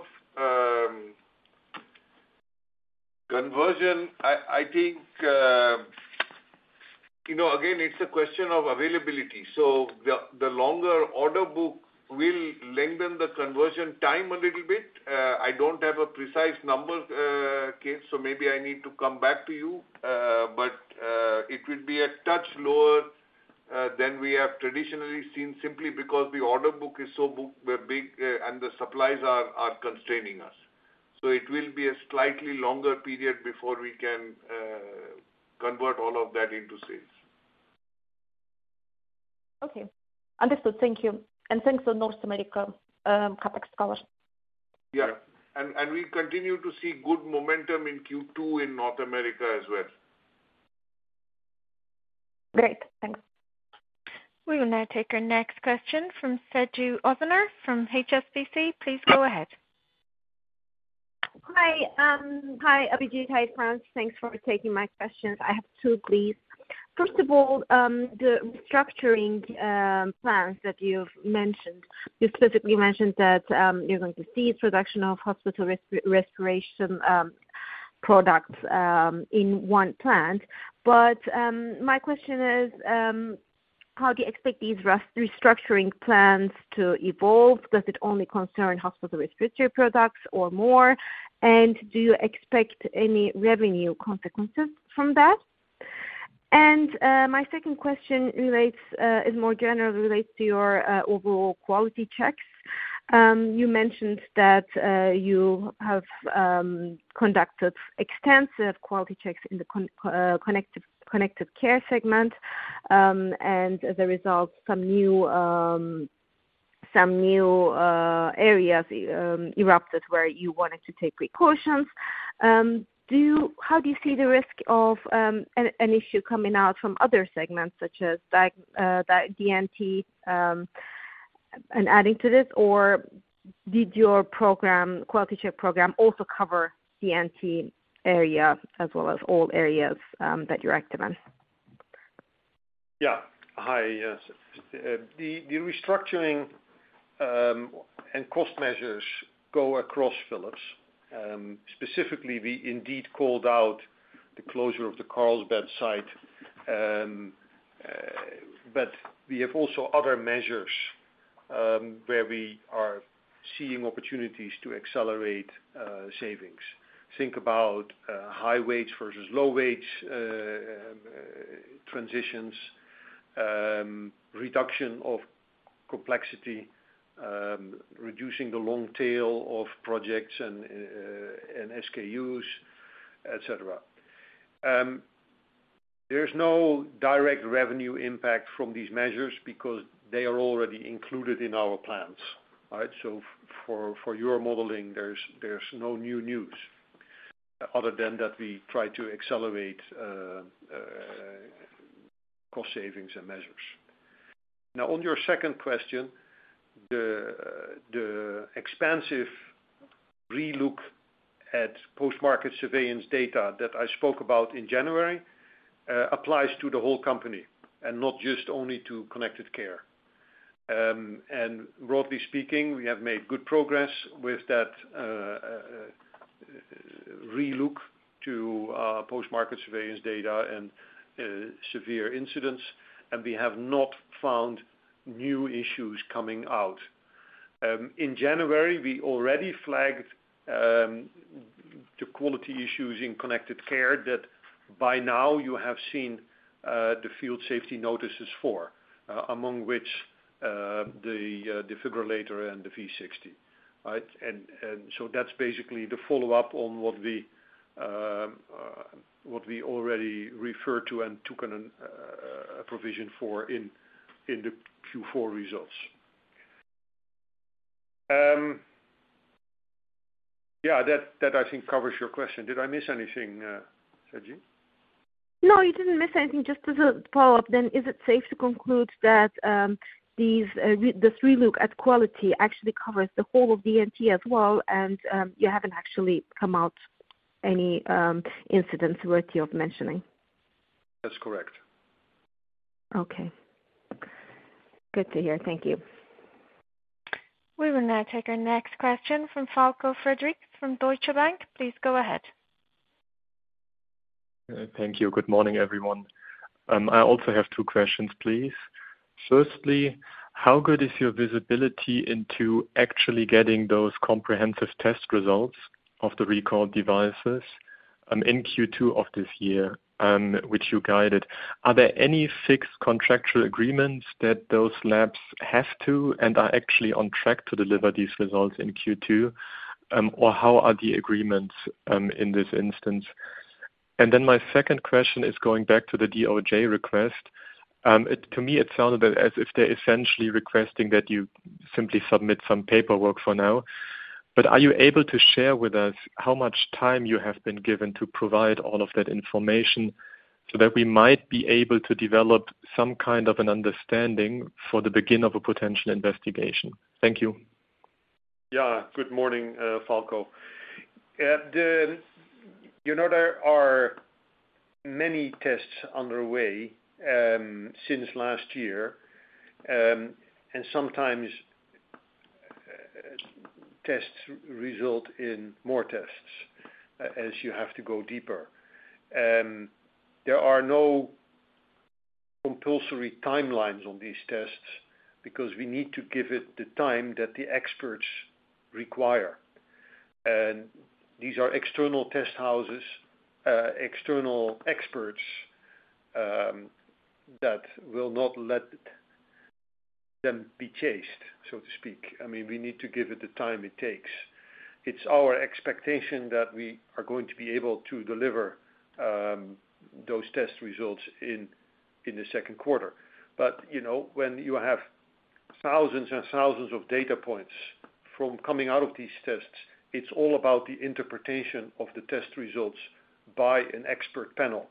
conversion, I think you know, again, it's a question of availability. The longer order book will lengthen the conversion time a little bit. I don't have a precise number, Kate, so maybe I need to come back to you. It will be a touch lower than we have traditionally seen simply because the order book is so big and the supplies are constraining us. It will be a slightly longer period before we can convert all of that into sales. Okay. Understood. Thank you. Thanks for North America CapEx color. Yeah. We continue to see good momentum in Q2 in North America as well. Great. Thanks. We will now take our next question from Sezgi Özener from HSBC. Please go ahead. Hi. Hi, Abhijit. Hi, Frans. Thanks for taking my questions. I have two, please. First of all, the restructuring plans that you've mentioned. You specifically mentioned that you're going to see a reduction of hospital respiratory products in one plant. My question is, how do you expect these restructuring plans to evolve? Does it only concern hospital respiratory products or more? And do you expect any revenue consequences from that? My second question more generally relates to your overall quality checks. You mentioned that you have conducted extensive quality checks in the Connected Care segment. As a result, some new areas erupted where you wanted to take precautions. Do you see the risk of an issue coming out from other segments such as D&T and adding to this? Or did your program, quality check program, also cover D&T area as well as all areas that you're active in? Yeah. Hi, Sezgi. The restructuring and cost measures go across Philips. Specifically, we indeed called out the closure of the Carlsbad site. We have also other measures, where we are seeing opportunities to accelerate savings. Think about high wage versus low wage transitions, reduction of complexity, reducing the long tail of projects and SKUs, et cetera. There's no direct revenue impact from these measures because they are already included in our plans. All right? For your modeling, there's no new news other than that we try to accelerate cost savings and measures. Now, on your second question, the expansive relook at post-market surveillance data that I spoke about in January applies to the whole company and not just only to Connected Care. Broadly speaking, we have made good progress with that relook at post-market surveillance data and severe incidents, and we have not found new issues coming out. In January, we already flagged the quality issues in Connected Care that by now you have seen the field safety notices for, among which the defibrillator and the V60, right? So that's basically the follow-up on what we already referred to and took a provision for in the Q4 results. Yeah, that I think covers your question. Did I miss anything, Sezgi? No, you didn't miss anything. Just as a follow-up, is it safe to conclude that this relook at quality actually covers the whole of D&T as well, and you haven't actually come across any incidents worthy of mentioning? That's correct. Okay. Good to hear. Thank you. We will now take our next question from Falko Friedrichs, from Deutsche Bank. Please go ahead. Thank you. Good morning, everyone. I also have two questions, please. Firstly, how good is your visibility into actually getting those comprehensive test results of the recalled devices in Q2 of this year, which you guided? Are there any fixed contractual agreements that those labs have to and are actually on track to deliver these results in Q2, or how are the agreements in this instance? Then my second question is going back to the DOJ request. To me, it sounded a bit as if they're essentially requesting that you simply submit some paperwork for now. Are you able to share with us how much time you have been given to provide all of that information so that we might be able to develop some kind of an understanding for the beginning of a potential investigation? Thank you. Yeah. Good morning, Falko. You know, there are many tests underway since last year, and sometimes tests result in more tests as you have to go deeper. There are no compulsory timelines on these tests because we need to give it the time that the experts require. These are external test houses, external experts, that will not let them be chased, so to speak. I mean, we need to give it the time it takes. It's our expectation that we are going to be able to deliver those test results in the second quarter. You know, when you have thousands and thousands of data points from coming out of these tests, it's all about the interpretation of the test results by an expert panel.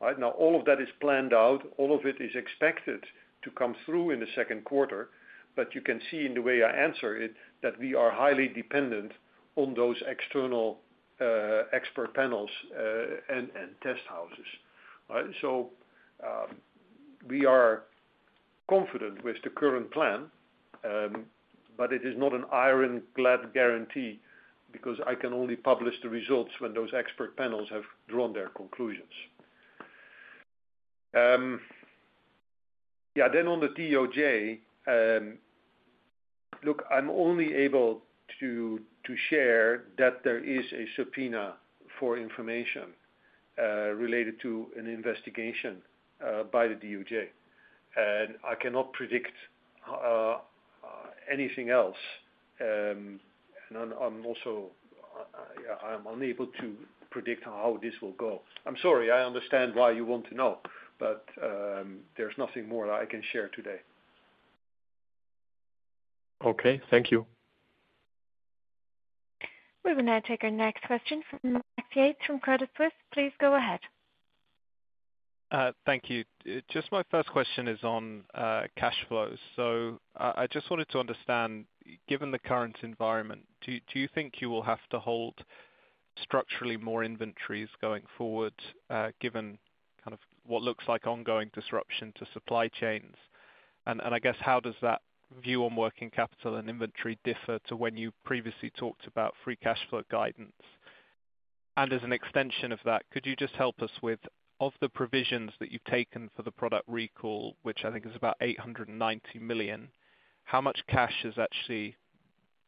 Right? Now all of that is planned out, all of it is expected to come through in the second quarter, but you can see in the way I answer it, that we are highly dependent on those external expert panels and test houses. Right? We are confident with the current plan, but it is not an ironclad guarantee because I can only publish the results when those expert panels have drawn their conclusions. Yeah. On the DOJ, look, I'm only able to share that there is a subpoena for information related to an investigation by the DOJ. I cannot predict anything else. I'm also, yeah, unable to predict how this will go. I'm sorry. I understand why you want to know, but there's nothing more that I can share today. Okay, thank you. We will now take our next question from Max Yates of Credit Suisse. Please go ahead. Thank you. Just my first question is on cash flows. I just wanted to understand, given the current environment, do you think you will have to hold structurally more inventories going forward, given kind of what looks like ongoing disruption to supply chains? And I guess how does that view on working capital and inventory differ to when you previously talked about free cash flow guidance? And as an extension of that, could you just help us with the provisions that you've taken for the product recall, which I think is about 890 million, how much cash has actually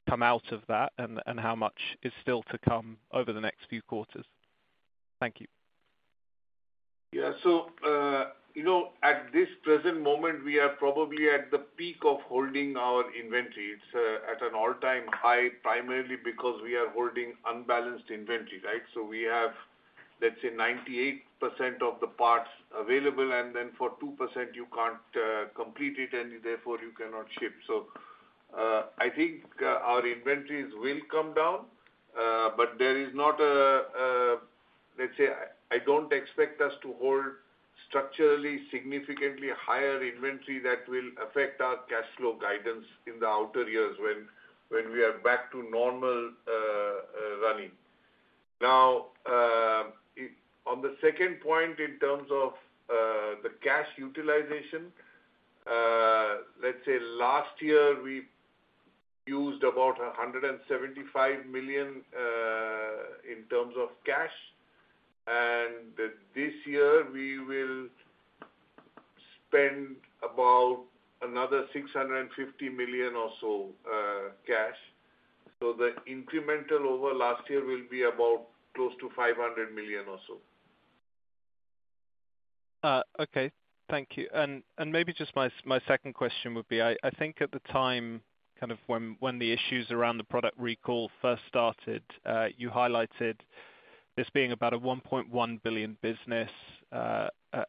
come out of that and how much is still to come over the next few quarters? Thank you. Yeah. You know, at this present moment, we are probably at the peak of holding our inventory. It's at an all-time high, primarily because we are holding unbalanced inventory, right? We have, let's say, 98% of the parts available, and then for 2%, you can't complete it, and therefore you cannot ship. I think our inventories will come down, but there is not a. Let's say, I don't expect us to hold structurally significantly higher inventory that will affect our cash flow guidance in the outer years when we are back to normal running. Now, on the second point, in terms of the cash utilization, let's say last year we used about 175 million in terms of cash, and this year we will spend about another 650 million or so, cash. The incremental over last year will be about close to 500 million or so. Okay. Thank you. Maybe just my second question would be, I think at the time, kind of when the issues around the product recall first started, you highlighted this being about a $1.1 billion business,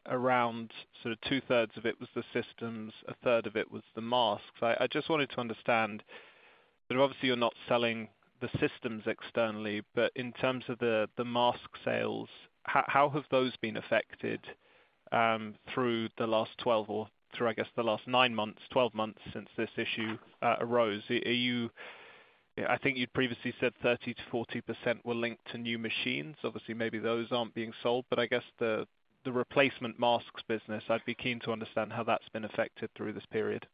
around sort of 2/3 of it was the systems, 1/3 of it was the masks. I just wanted to understand that obviously you're not selling the systems externally, but in terms of the mask sales, how have those been affected through the last 12 or, I guess, the last nine months, 12 months since this issue arose? I think you'd previously said 30%-40% were linked to new machines. Obviously, maybe those aren't being sold, but I guess the replacement masks business, I'd be keen to understand how that's been affected through this period.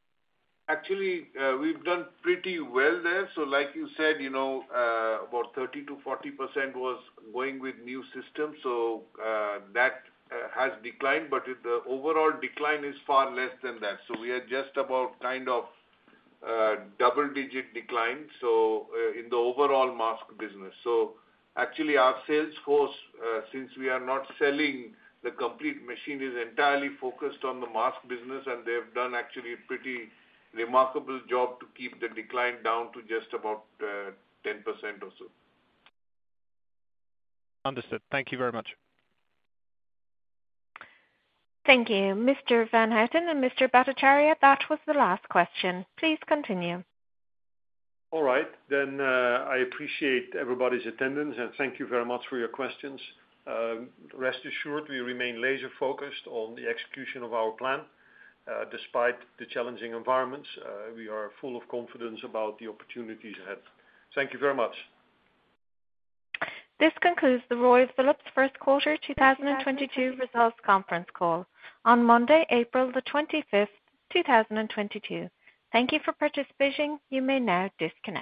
Actually, we've done pretty well there. Like you said, you know, about 30%-40% was going with new systems. That has declined, but it overall decline is far less than that. We are just about kind of double-digit decline in the overall mask business. Actually our sales force, since we are not selling the complete machine, is entirely focused on the mask business and they have done actually a pretty remarkable job to keep the decline down to just about 10% or so. Understood. Thank you very much. Thank you. Mr. van Houten and Mr. Bhattacharya, that was the last question. Please continue. All right, then, I appreciate everybody's attendance, and thank you very much for your questions. Rest assured we remain laser focused on the execution of our plan. Despite the challenging environments, we are full of confidence about the opportunities ahead. Thank you very much. This concludes the Royal Philips first quarter 2022 results conference call on Monday, April 25, 2022. Thank you for participating. You may now disconnect.